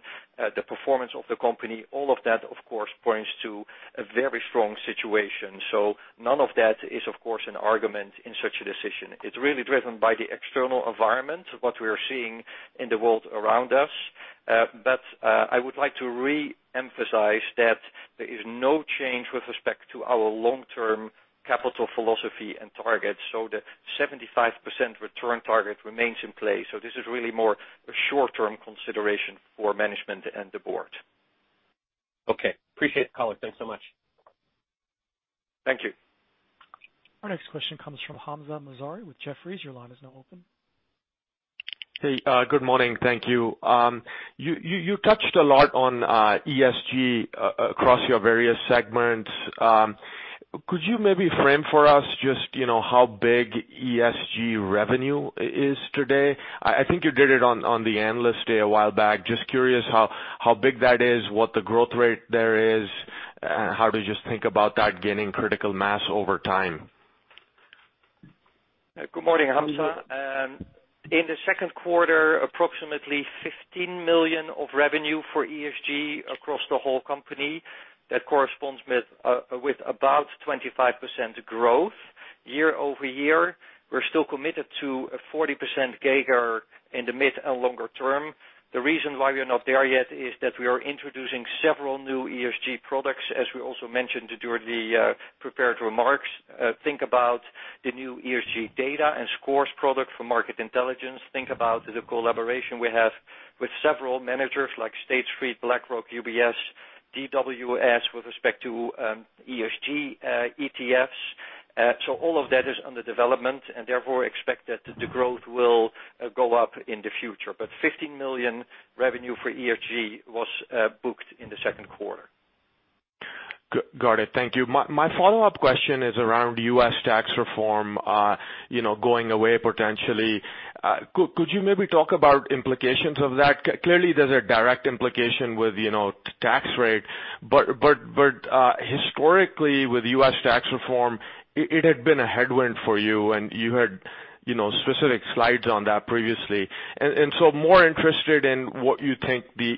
the performance of the company, all of that, of course, points to a very strong situation. None of that is, of course, an argument in such a decision. It's really driven by the external environment of what we are seeing in the world around us. I would like to reemphasize that there is no change with respect to our long-term capital philosophy and targets. The 75% return target remains in place. This is really more a short-term consideration for management and the board. Okay. Appreciate the call. Thanks so much. Thank you. Our next question comes from Hamzah Mazari with Jefferies. Your line is now open. Hey. Good morning. Thank you. You touched a lot on ESG across your various segments. Could you maybe frame for us just how big ESG revenue is today? I think you did it on the Analyst Day a while back. Just curious how big that is, what the growth rate there is, how do you think about that gaining critical mass over time? Good morning, Hamzah. In the second quarter, approximately $15 million of revenue for ESG across the whole company. That corresponds with about 25% growth year-over-year. We're still committed to a 40% CAGR in the mid and longer term. The reason why we are not there yet is that we are introducing several new ESG products, as we also mentioned during the prepared remarks. Think about the new ESG data and scores product for Market Intelligence. Think about the collaboration we have with several managers like State Street, BlackRock, UBS, DWS with respect to ESG ETFs. All of that is under development, and therefore expect that the growth will go up in the future. $15 million revenue for ESG was booked in the second quarter. Got it. Thank you. My follow-up question is around U.S. tax reform going away potentially. Could you maybe talk about implications of that? Clearly, there's a direct implication with tax rate. Historically, with U.S. tax reform, it had been a headwind for you, and you had specific slides on that previously. More interested in what you think the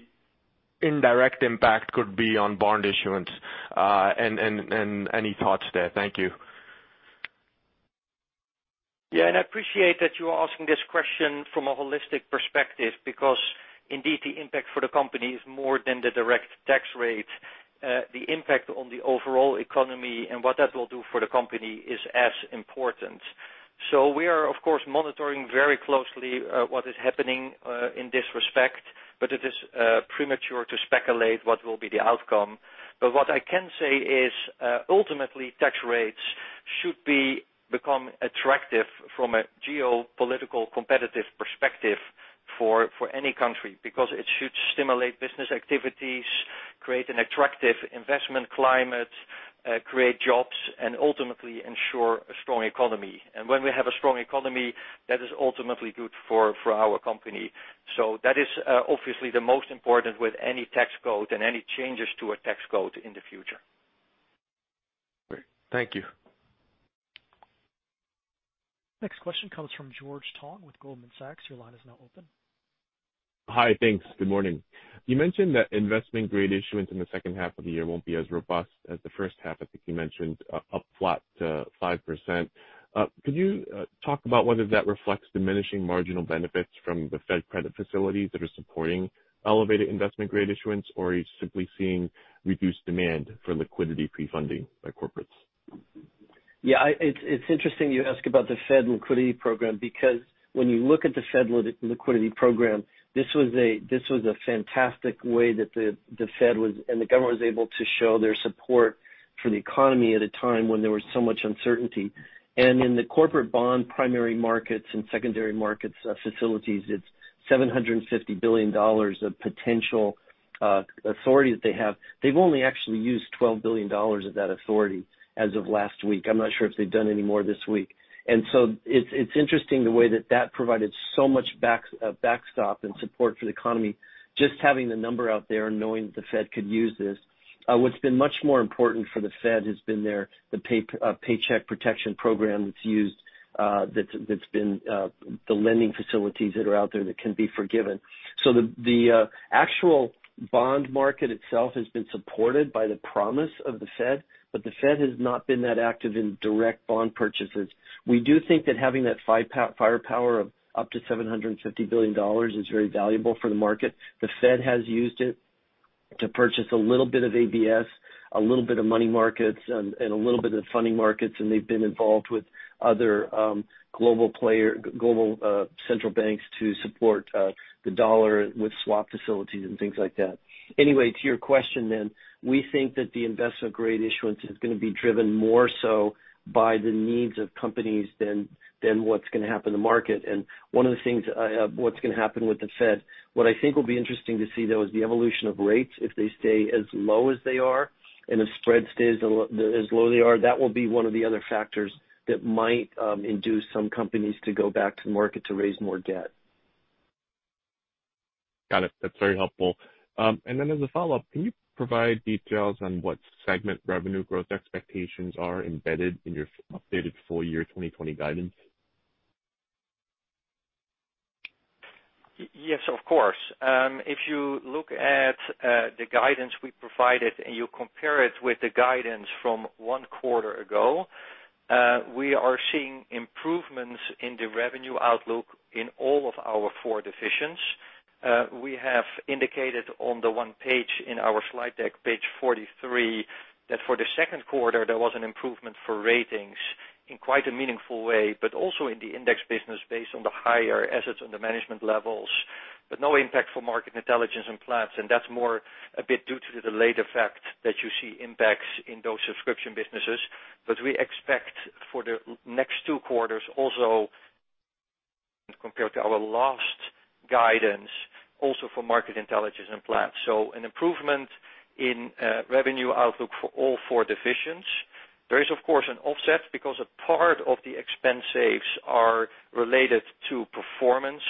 indirect impact could be on bond issuance, and any thoughts there. Thank you. I appreciate that you are asking this question from a holistic perspective because indeed the impact for the company is more than the direct tax rate. The impact on the overall economy and what that will do for the company is as important. We are, of course, monitoring very closely what is happening in this respect, but it is premature to speculate what will be the outcome. What I can say is, ultimately, tax rates should become attractive from a geopolitical competitive perspective for any country because it should stimulate business activities, create an attractive investment climate, create jobs, and ultimately ensure a strong economy. When we have a strong economy, that is ultimately good for our company. That is obviously the most important with any tax code and any changes to a tax code in the future. Great. Thank you. Next question comes from George Tong with Goldman Sachs. Your line is now open. Hi. Thanks. Good morning. You mentioned that investment grade issuance in the second half of the year won't be as robust as the first half. I think you mentioned up flat to 5%. Could you talk about whether that reflects diminishing marginal benefits from the Fed credit facilities that are supporting elevated investment grade issuance, or are you simply seeing reduced demand for liquidity prefunding by corporates? Yeah. It's interesting you ask about the Fed liquidity program because when you look at the Fed liquidity program, this was a fantastic way that the Fed and the government was able to show their support for the economy at a time when there was so much uncertainty. In the corporate bond primary markets and secondary markets facilities, it's $750 billion of potential authority that they have. They've only actually used $12 billion of that authority as of last week. I'm not sure if they've done any more this week. It's interesting the way that that provided so much backstop and support for the economy, just having the number out there and knowing that the Fed could use this. What's been much more important for the Fed has been the Paycheck Protection Program that's been the lending facilities that are out there that can be forgiven. The actual bond market itself has been supported by the promise of the Fed, but the Fed has not been that active in direct bond purchases. We do think that having that firepower of up to $750 billion is very valuable for the market. The Fed has used it to purchase a little bit of ABS, a little bit of money markets, and a little bit of funding markets, and they've been involved with other global central banks to support the dollar with swap facilities and things like that. To your question, we think that the investment grade issuance is going to be driven more so by the needs of companies than what's going to happen in the market. One of the things what's going to happen with the Fed, what I think will be interesting to see, though, is the evolution of rates. If they stay as low as they are, and if spread stays as low they are, that will be one of the other factors that might induce some companies to go back to market to raise more debt. Got it. That's very helpful. As a follow-up, can you provide details on what segment revenue growth expectations are embedded in your updated full year 2020 guidance? Yes, of course. If you look at the guidance we provided, and you compare it with the guidance from one quarter ago, we are seeing improvements in the revenue outlook in all of our four divisions. We have indicated on the one page in our slide deck, page 43, that for the second quarter, there was an improvement for Ratings in quite a meaningful way, but also in the Index business based on the higher assets under management levels, but no impact for Market Intelligence and Platts. That's more a bit due to the delayed effect that you see impacts in those subscription businesses. We expect for the next two quarters also compared to our last guidance, also for Market Intelligence and Platts. An improvement in revenue outlook for all four divisions. There is, of course, an offset because a part of the expense saves are related to performance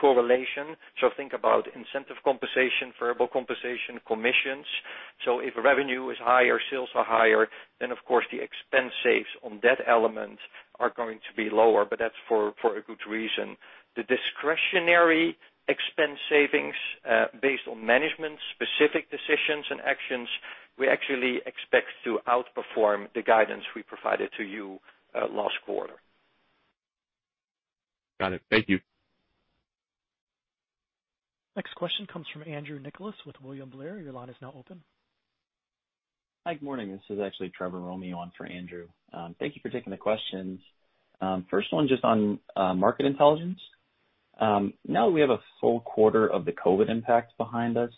correlation. Think about incentive compensation, variable compensation, commissions. If revenue is higher, sales are higher, then of course the expense saves on that element are going to be lower, but that's for a good reason. The discretionary expense savings, based on management-specific decisions and actions, we actually expect to outperform the guidance we provided to you last quarter. Got it. Thank you. Next question comes from Andrew Nicholas with William Blair. Your line is now open. Hi. Good morning. This is actually Trevor Romeo on for Andrew. Thank you for taking the questions. First one, just on Market Intelligence. Now that we have a full quarter of the COVID-19 impact behind us,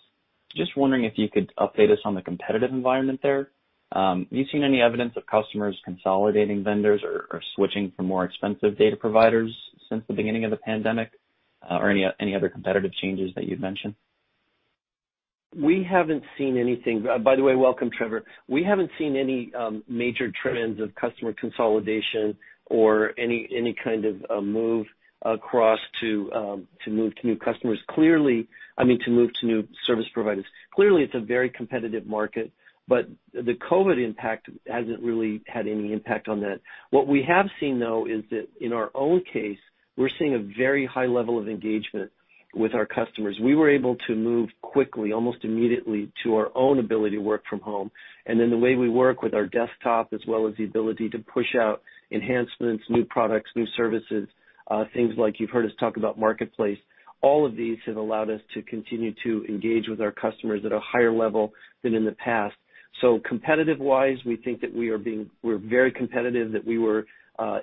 just wondering if you could update us on the competitive environment there. Have you seen any evidence of customers consolidating vendors or switching from more expensive data providers since the beginning of the pandemic? Any other competitive changes that you'd mention? We haven't seen anything. By the way, welcome, Trevor. We haven't seen any major trends of customer consolidation or any kind of move across to move to new customers. I mean, to move to new service providers. It's a very competitive market, but the COVID impact hasn't really had any impact on that. What we have seen, though, is that in our own case, we're seeing a very high level of engagement with our customers. We were able to move quickly, almost immediately, to our own ability to work from home. The way we work with our desktop as well as the ability to push out enhancements, new products, new services, things like you've heard us talk about Marketplace, all of these have allowed us to continue to engage with our customers at a higher level than in the past. Competitive-wise, we think that we're very competitive, that we were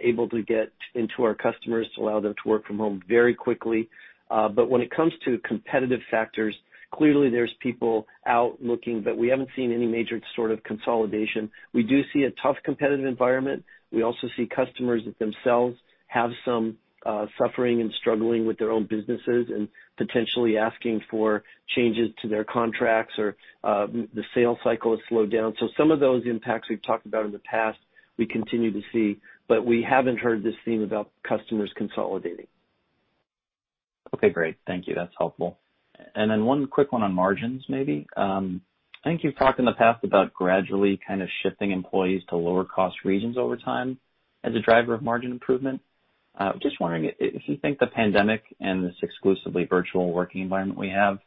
able to get into our customers to allow them to work from home very quickly. When it comes to competitive factors, clearly there's people out looking, but we haven't seen any major sort of consolidation. We do see a tough competitive environment. We also see customers that themselves have some suffering and struggling with their own businesses and potentially asking for changes to their contracts or, the sales cycle has slowed down. Some of those impacts we've talked about in the past, we continue to see, but we haven't heard this theme about customers consolidating. Okay, great. Thank you. That's helpful. Then one quick one on margins, maybe. I think you've talked in the past about gradually kind of shifting employees to lower cost regions over time as a driver of margin improvement. Just wondering if you think the pandemic and this exclusively virtual working environment we have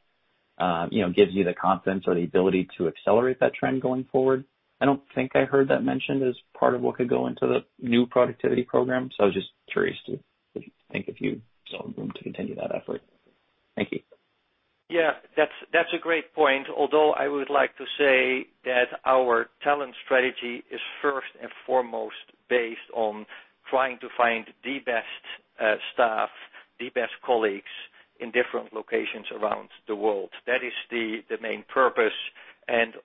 gives you the confidence or the ability to accelerate that trend going forward. I don't think I heard that mentioned as part of what could go into the new productivity program, so I was just curious to think if you saw room to continue that effort. Thank you. Yeah, that's a great point. I would like to say that our talent strategy is first and foremost based on trying to find the best staff, the best colleagues in different locations around the world.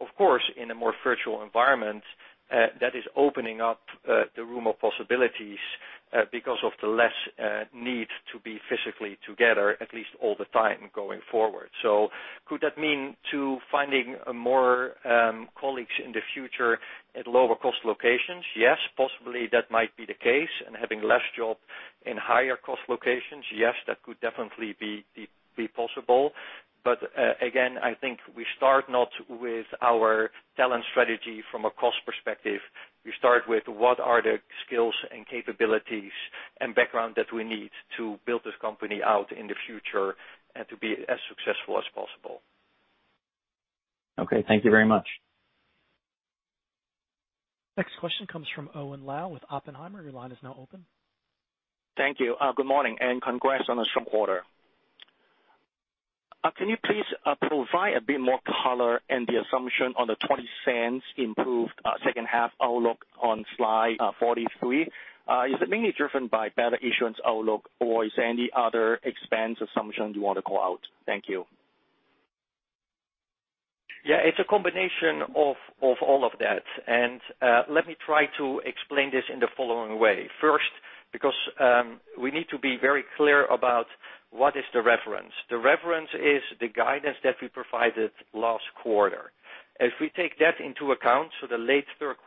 Of course, in a more virtual environment, that is opening up the room of possibilities, because of the less need to be physically together, at least all the time going forward. Could that mean to finding more colleagues in the future at lower cost locations? Possibly that might be the case, and having less job in higher cost locations. That could definitely be possible. Again, I think we start not with our talent strategy from a cost perspective. We start with what are the skills and capabilities and background that we need to build this company out in the future and to be as successful as possible. Okay. Thank you very much. Next question comes from Owen Lau with Oppenheimer. Your line is now open. Thank you. Good morning, congrats on a strong quarter. Can you please provide a bit more color and the assumption on the $0.20 improved second half outlook on slide 43? Is it mainly driven by better issuance outlook, or is there any other expense assumption you want to call out? Thank you. Yeah, it's a combination of all of that. Let me try to explain this in the following way. First, because we need to be very clear about what is the reference. The reference is the guidance that we provided last quarter. If we take that into account, the late third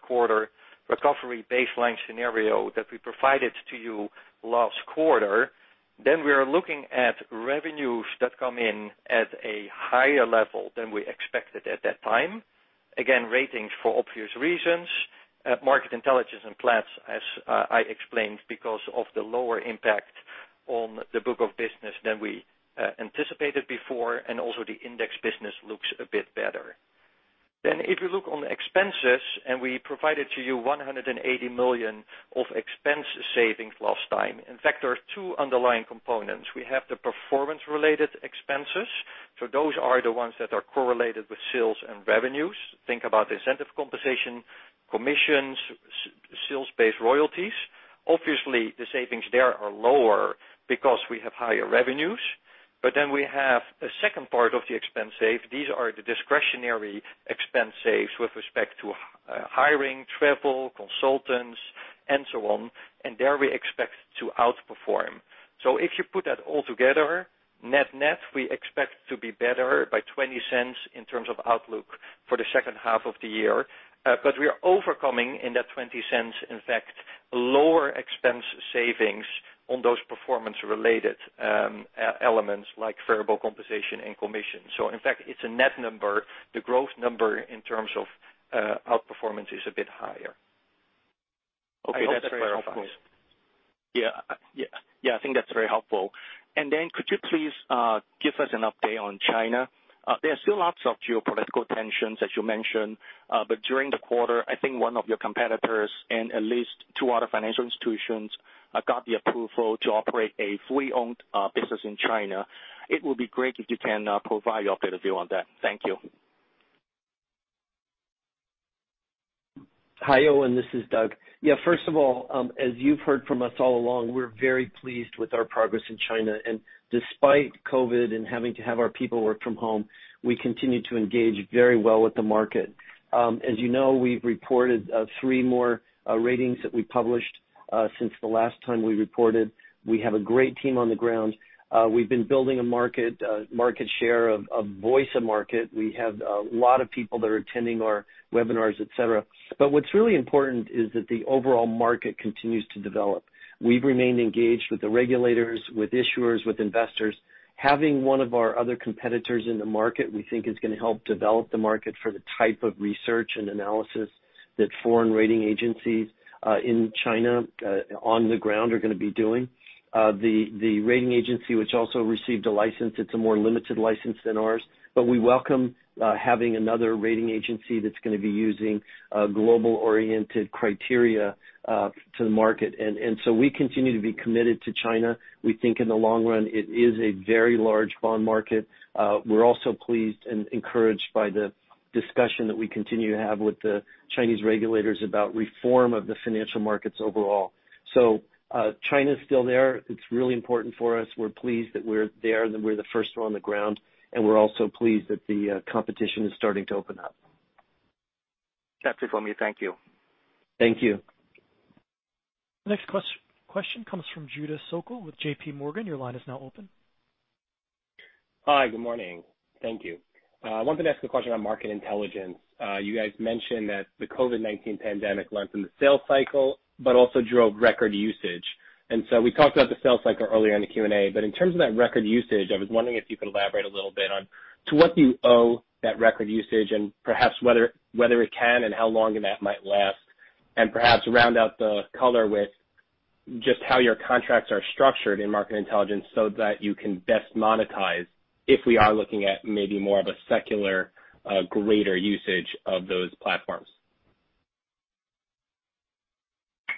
quarter recovery baseline scenario that we provided to you last quarter, we are looking at revenues that come in at a higher level than we expected at that time. Again, Ratings for obvious reasons. Market Intelligence and Platts, as I explained, because of the lower impact on the book of business than we anticipated before, the Index business looks a bit better. If you look on the expenses, we provided to you $180 million of expense savings last time. In fact, there are two underlying components. We have the performance-related expenses. Those are the ones that are correlated with sales and revenues. Think about incentive compensation, commissions, sales-based royalties. Obviously, the savings there are lower because we have higher revenues. We have a second part of the expense save. These are the discretionary expense saves with respect to hiring, travel, consultants, and so on. There we expect to outperform. If you put that all together, net-net, we expect to be better by $0.20 in terms of outlook for the second half of the year. We are overcoming in that $0.20, in fact, lower expense savings on those performance-related elements like variable compensation and commission. In fact, it's a net number. The growth number in terms of outperformance is a bit higher. Okay, I hope that clarifies. Yeah. I think that's very helpful. Could you please give us an update on China? There are still lots of geopolitical tensions, as you mentioned. During the quarter, I think one of your competitors and at least two other financial institutions got the approval to operate a fully owned business in China. It would be great if you can provide your updated view on that. Thank you. Hi, Owen, this is Doug. Yeah, first of all, as you've heard from us all along, we're very pleased with our progress in China. Despite COVID-19 and having to have our people work from home, we continue to engage very well with the market. As you know, we've reported three more ratings that we published since the last time we reported. We have a great team on the ground. We've been building a market share of voice of market. We have a lot of people that are attending our webinars, et cetera. What's really important is that the overall market continues to develop. We've remained engaged with the regulators, with issuers, with investors. Having one of our other competitors in the market, we think is going to help develop the market for the type of research and analysis that foreign rating agencies in China on the ground are going to be doing. The rating agency, which also received a license, it's a more limited license than ours. We welcome having another rating agency that's going to be using a global-oriented criteria to the market. We continue to be committed to China. We think in the long run, it is a very large bond market. We're also pleased and encouraged by the discussion that we continue to have with the Chinese regulators about reform of the financial markets overall. China's still there. It's really important for us. We're pleased that we're there and that we're the first one on the ground, and we're also pleased that the competition is starting to open up. That's it for me. Thank you. Thank you. The next question comes from Judah Sokel with JPMorgan. Your line is now open. Hi. Good morning. Thank you. I wanted to ask a question on Market Intelligence. You guys mentioned that the COVID-19 pandemic lengthened the sales cycle but also drove record usage. We talked about the sales cycle earlier in the Q&A. In terms of that record usage, I was wondering if you could elaborate a little bit on to what do you owe that record usage and perhaps whether it can and how long that might last, and perhaps round out the color with just how your contracts are structured in Market Intelligence so that you can best monetize if we are looking at maybe more of a secular, greater usage of those platforms.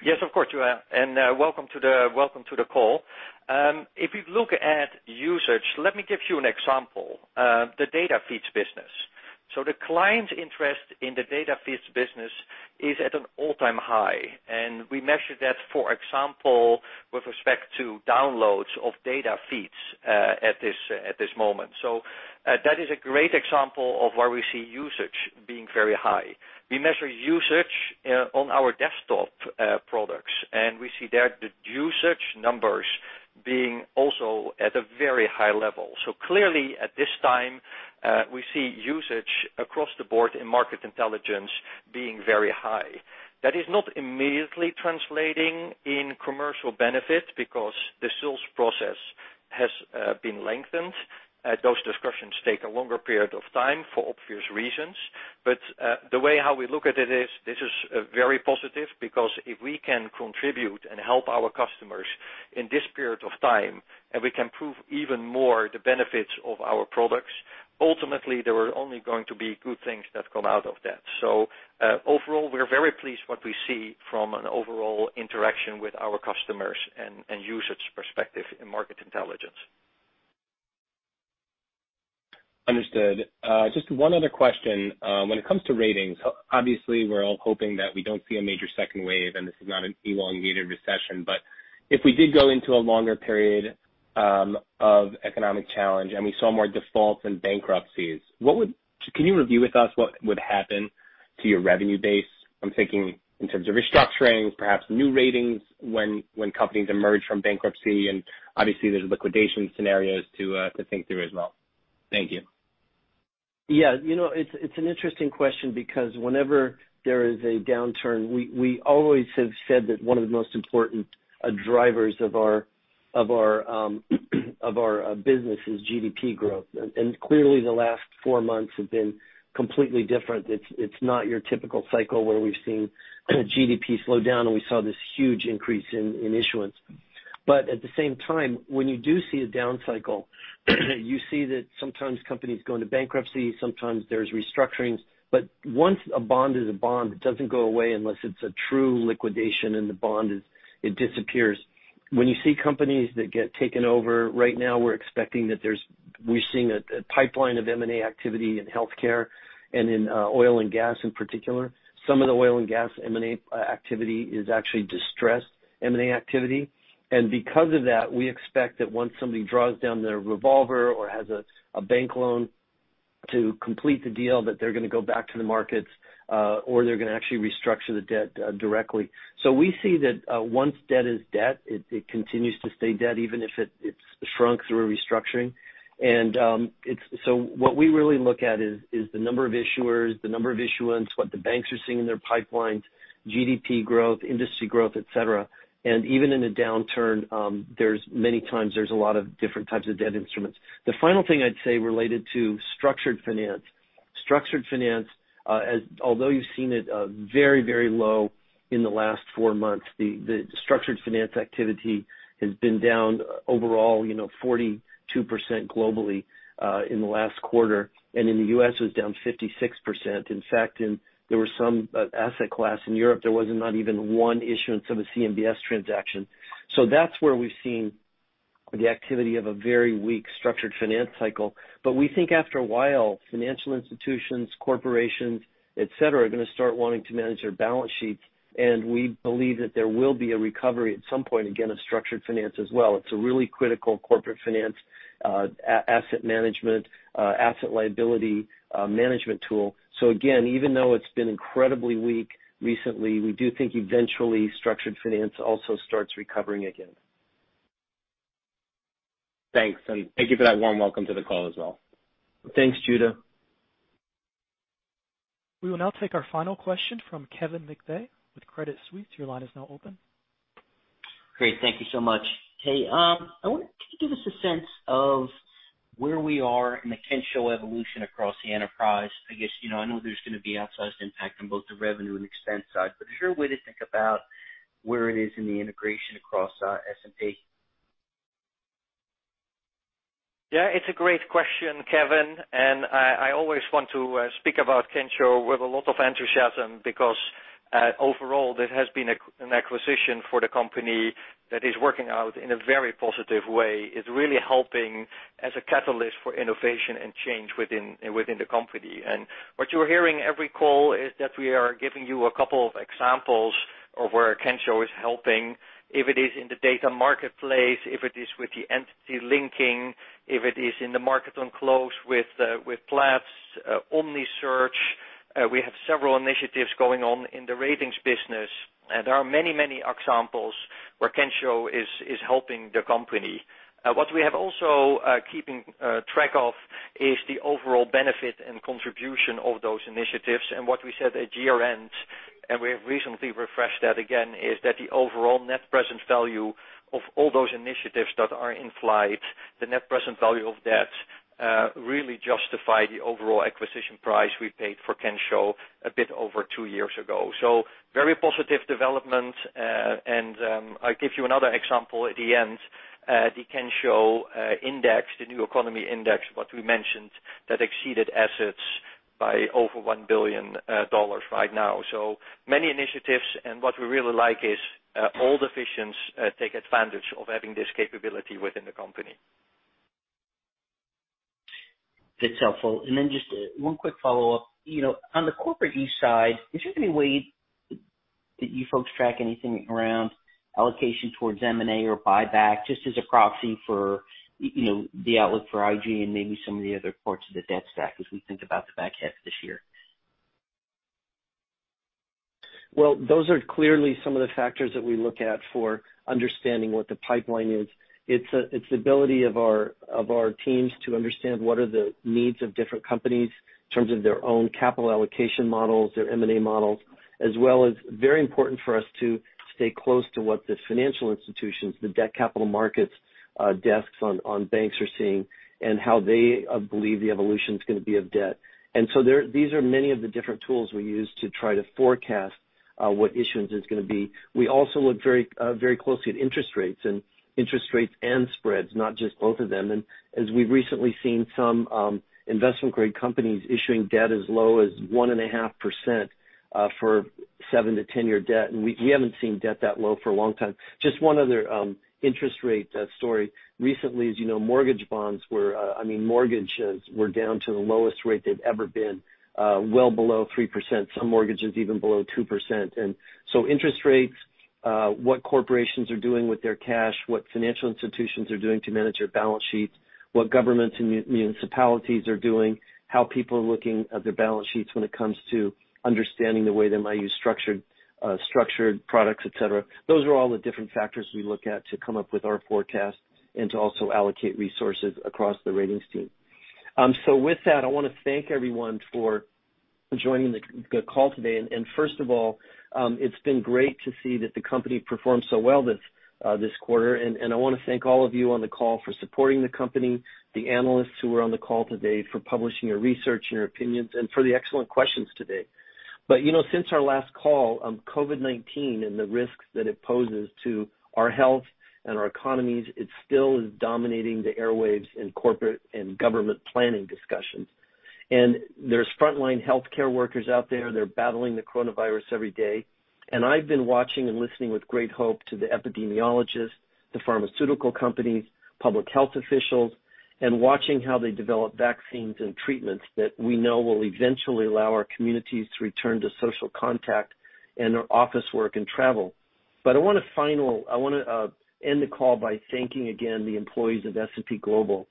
Yes, of course, Judah. Welcome to the call. If you look at usage, let me give you an example. The data feeds business. The client's interest in the data feeds business is at an all-time high, and we measure that, for example, with respect to downloads of data feeds at this moment. That is a great example of where we see usage being very high. We measure usage on our desktop products, and we see there the usage numbers being also at a very high level. Clearly, at this time, we see usage across the board in Market Intelligence being very high. That is not immediately translating in commercial benefit because the sales process has been lengthened. Those discussions take a longer period of time for obvious reasons. The way how we look at it is this is very positive because if we can contribute and help our customers in this period of time, and we can prove even more the benefits of our products, ultimately, there are only going to be good things that come out of that. Overall, we are very pleased what we see from an overall interaction with our customers and usage perspective in Market Intelligence. Understood. Just one other question. When it comes to ratings, obviously we're all hoping that we don't see a major second wave, and this is not an elongated recession. If we did go into a longer period of economic challenge and we saw more defaults and bankruptcies, can you review with us what would happen to your revenue base? I'm thinking in terms of restructurings, perhaps new ratings when companies emerge from bankruptcy, obviously there's liquidation scenarios to think through as well. Thank you. It's an interesting question because whenever there is a downturn, we always have said that one of the most important drivers of our business is GDP growth. Clearly, the last four months have been completely different. It's not your typical cycle where we've seen GDP slow down, and we saw this huge increase in issuance. At the same time, when you do see a down cycle, you see that sometimes companies go into bankruptcy, sometimes there's restructurings. Once a bond is a bond, it doesn't go away unless it's a true liquidation and the bond disappears. When you see companies that get taken over, right now we're expecting that we're seeing a pipeline of M&A activity in healthcare and in oil and gas in particular. Some of the oil and gas M&A activity is actually distressed M&A activity. Because of that, we expect that once somebody draws down their revolver or has a bank loan to complete the deal, that they're going to go back to the markets, or they're going to actually restructure the debt directly. We see that once debt is debt, it continues to stay debt, even if it's shrunk through a restructuring. What we really look at is the number of issuers, the number of issuance, what the banks are seeing in their pipelines, GDP growth, industry growth, et cetera. Even in a downturn, many times there's a lot of different types of debt instruments. The final thing I'd say related to structured finance. Structured finance, although you've seen it very, very low in the last four months, the structured finance activity has been down overall 42% globally, in the last quarter. In the U.S., it was down 56%. In fact, there were some asset class in Europe, there was not even one issuance of a CMBS transaction. That's where we've seen the activity of a very weak structured finance cycle. We think after a while, financial institutions, corporations, et cetera, are going to start wanting to manage their balance sheets. We believe that there will be a recovery at some point, again, of structured finance as well. It's a really critical corporate finance asset management, asset liability management tool. Again, even though it's been incredibly weak recently, we do think eventually structured finance also starts recovering again. Thanks. Thank you for that warm welcome to the call as well. Thanks, Judah. We will now take our final question from Kevin McVeigh with Credit Suisse. Your line is now open. Great. Thank you so much. Hey, can you give us a sense of where we are in the Kensho evolution across the enterprise? I know there's going to be outsized impact on both the revenue and expense side, but is there a way to think about where it is in the integration across S&P? It's a great question, Kevin. I always want to speak about Kensho with a lot of enthusiasm because, overall, that has been an acquisition for the company that is working out in a very positive way. It's really helping as a catalyst for innovation and change within the company. What you're hearing every call is that we are giving you a couple of examples of where Kensho is helping. If it is in the S&P Global Marketplace, if it is with the Kensho Link, if it is in the Market-on-Close with Platts, Omnisearch. We have several initiatives going on in the Ratings business. There are many examples where Kensho is helping the company. What we have also keeping track of is the overall benefit and contribution of those initiatives. What we said at year-end, and we have recently refreshed that again, is that the overall net present value of all those initiatives that are in flight, the net present value of that really justify the overall acquisition price we paid for Kensho a bit over two years ago. Very positive development. I'll give you another example at the end. The Kensho index, the New Economies Index, what we mentioned, that exceeded assets by over $1 billion right now. Many initiatives, and what we really like is all the divisions take advantage of having this capability within the company. That's helpful. Just one quick follow-up. On the corporate debt side, is there any way that you folks track anything around allocation towards M&A or buyback, just as a proxy for the outlook for IG and maybe some of the other parts of the debt stack as we think about the back half of this year? Well, those are clearly some of the factors that we look at for understanding what the pipeline is. It's the ability of our teams to understand what are the needs of different companies in terms of their own capital allocation models, their M&A models. Very important for us to stay close to what the financial institutions, the debt capital markets desks on banks are seeing and how they believe the evolution is going to be of debt. These are many of the different tools we use to try to forecast what issuance is going to be. We also look very closely at interest rates, and interest rates and spreads, not just both of them. We've recently seen some investment-grade companies issuing debt as low as 1.5% for 7-10-year debt. We haven't seen debt that low for a long time. Just one other interest rate story. Recently, as you know, mortgage bonds were down to the lowest rate they've ever been, well below 3%, some mortgages even below 2%. Interest rates, what corporations are doing with their cash, what financial institutions are doing to manage their balance sheets, what governments and municipalities are doing, how people are looking at their balance sheets when it comes to understanding the way they might use structured products, et cetera. Those are all the different factors we look at to come up with our forecast and to also allocate resources across the Ratings team. With that, I want to thank everyone for joining the call today. First of all, it's been great to see that the company performed so well this quarter. I want to thank all of you on the call for supporting the company, the analysts who are on the call today for publishing your research and your opinions, and for the excellent questions today. Since our last call, COVID-19 and the risks that it poses to our health and our economies, it still is dominating the airwaves in corporate and government planning discussions. There's frontline healthcare workers out there, they're battling the coronavirus every day. I've been watching and listening with great hope to the epidemiologists, the pharmaceutical companies, public health officials, and watching how they develop vaccines and treatments that we know will eventually allow our communities to return to social contact and our office work and travel. I want to end the call by thanking again the employees of S&P Global.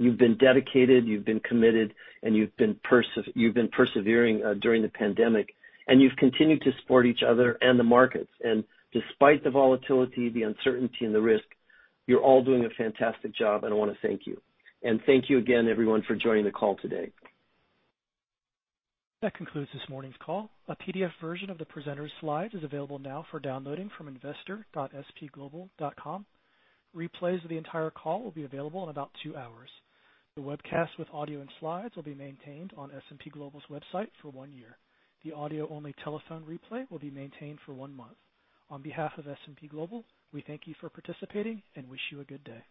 You've been dedicated, you've been committed, and you've been persevering during the pandemic, and you've continued to support each other and the markets. Despite the volatility, the uncertainty, and the risk, you're all doing a fantastic job, and I want to thank you. Thank you again, everyone, for joining the call today. That concludes this morning's call. A PDF version of the presenter's slides is available now for downloading from investor.spglobal.com. Replays of the entire call will be available in about two hours. The webcast with audio and slides will be maintained on S&P Global's website for one year. The audio only telephone replay will be maintained for one month. On behalf of S&P Global, we thank you for participating and wish you a good day.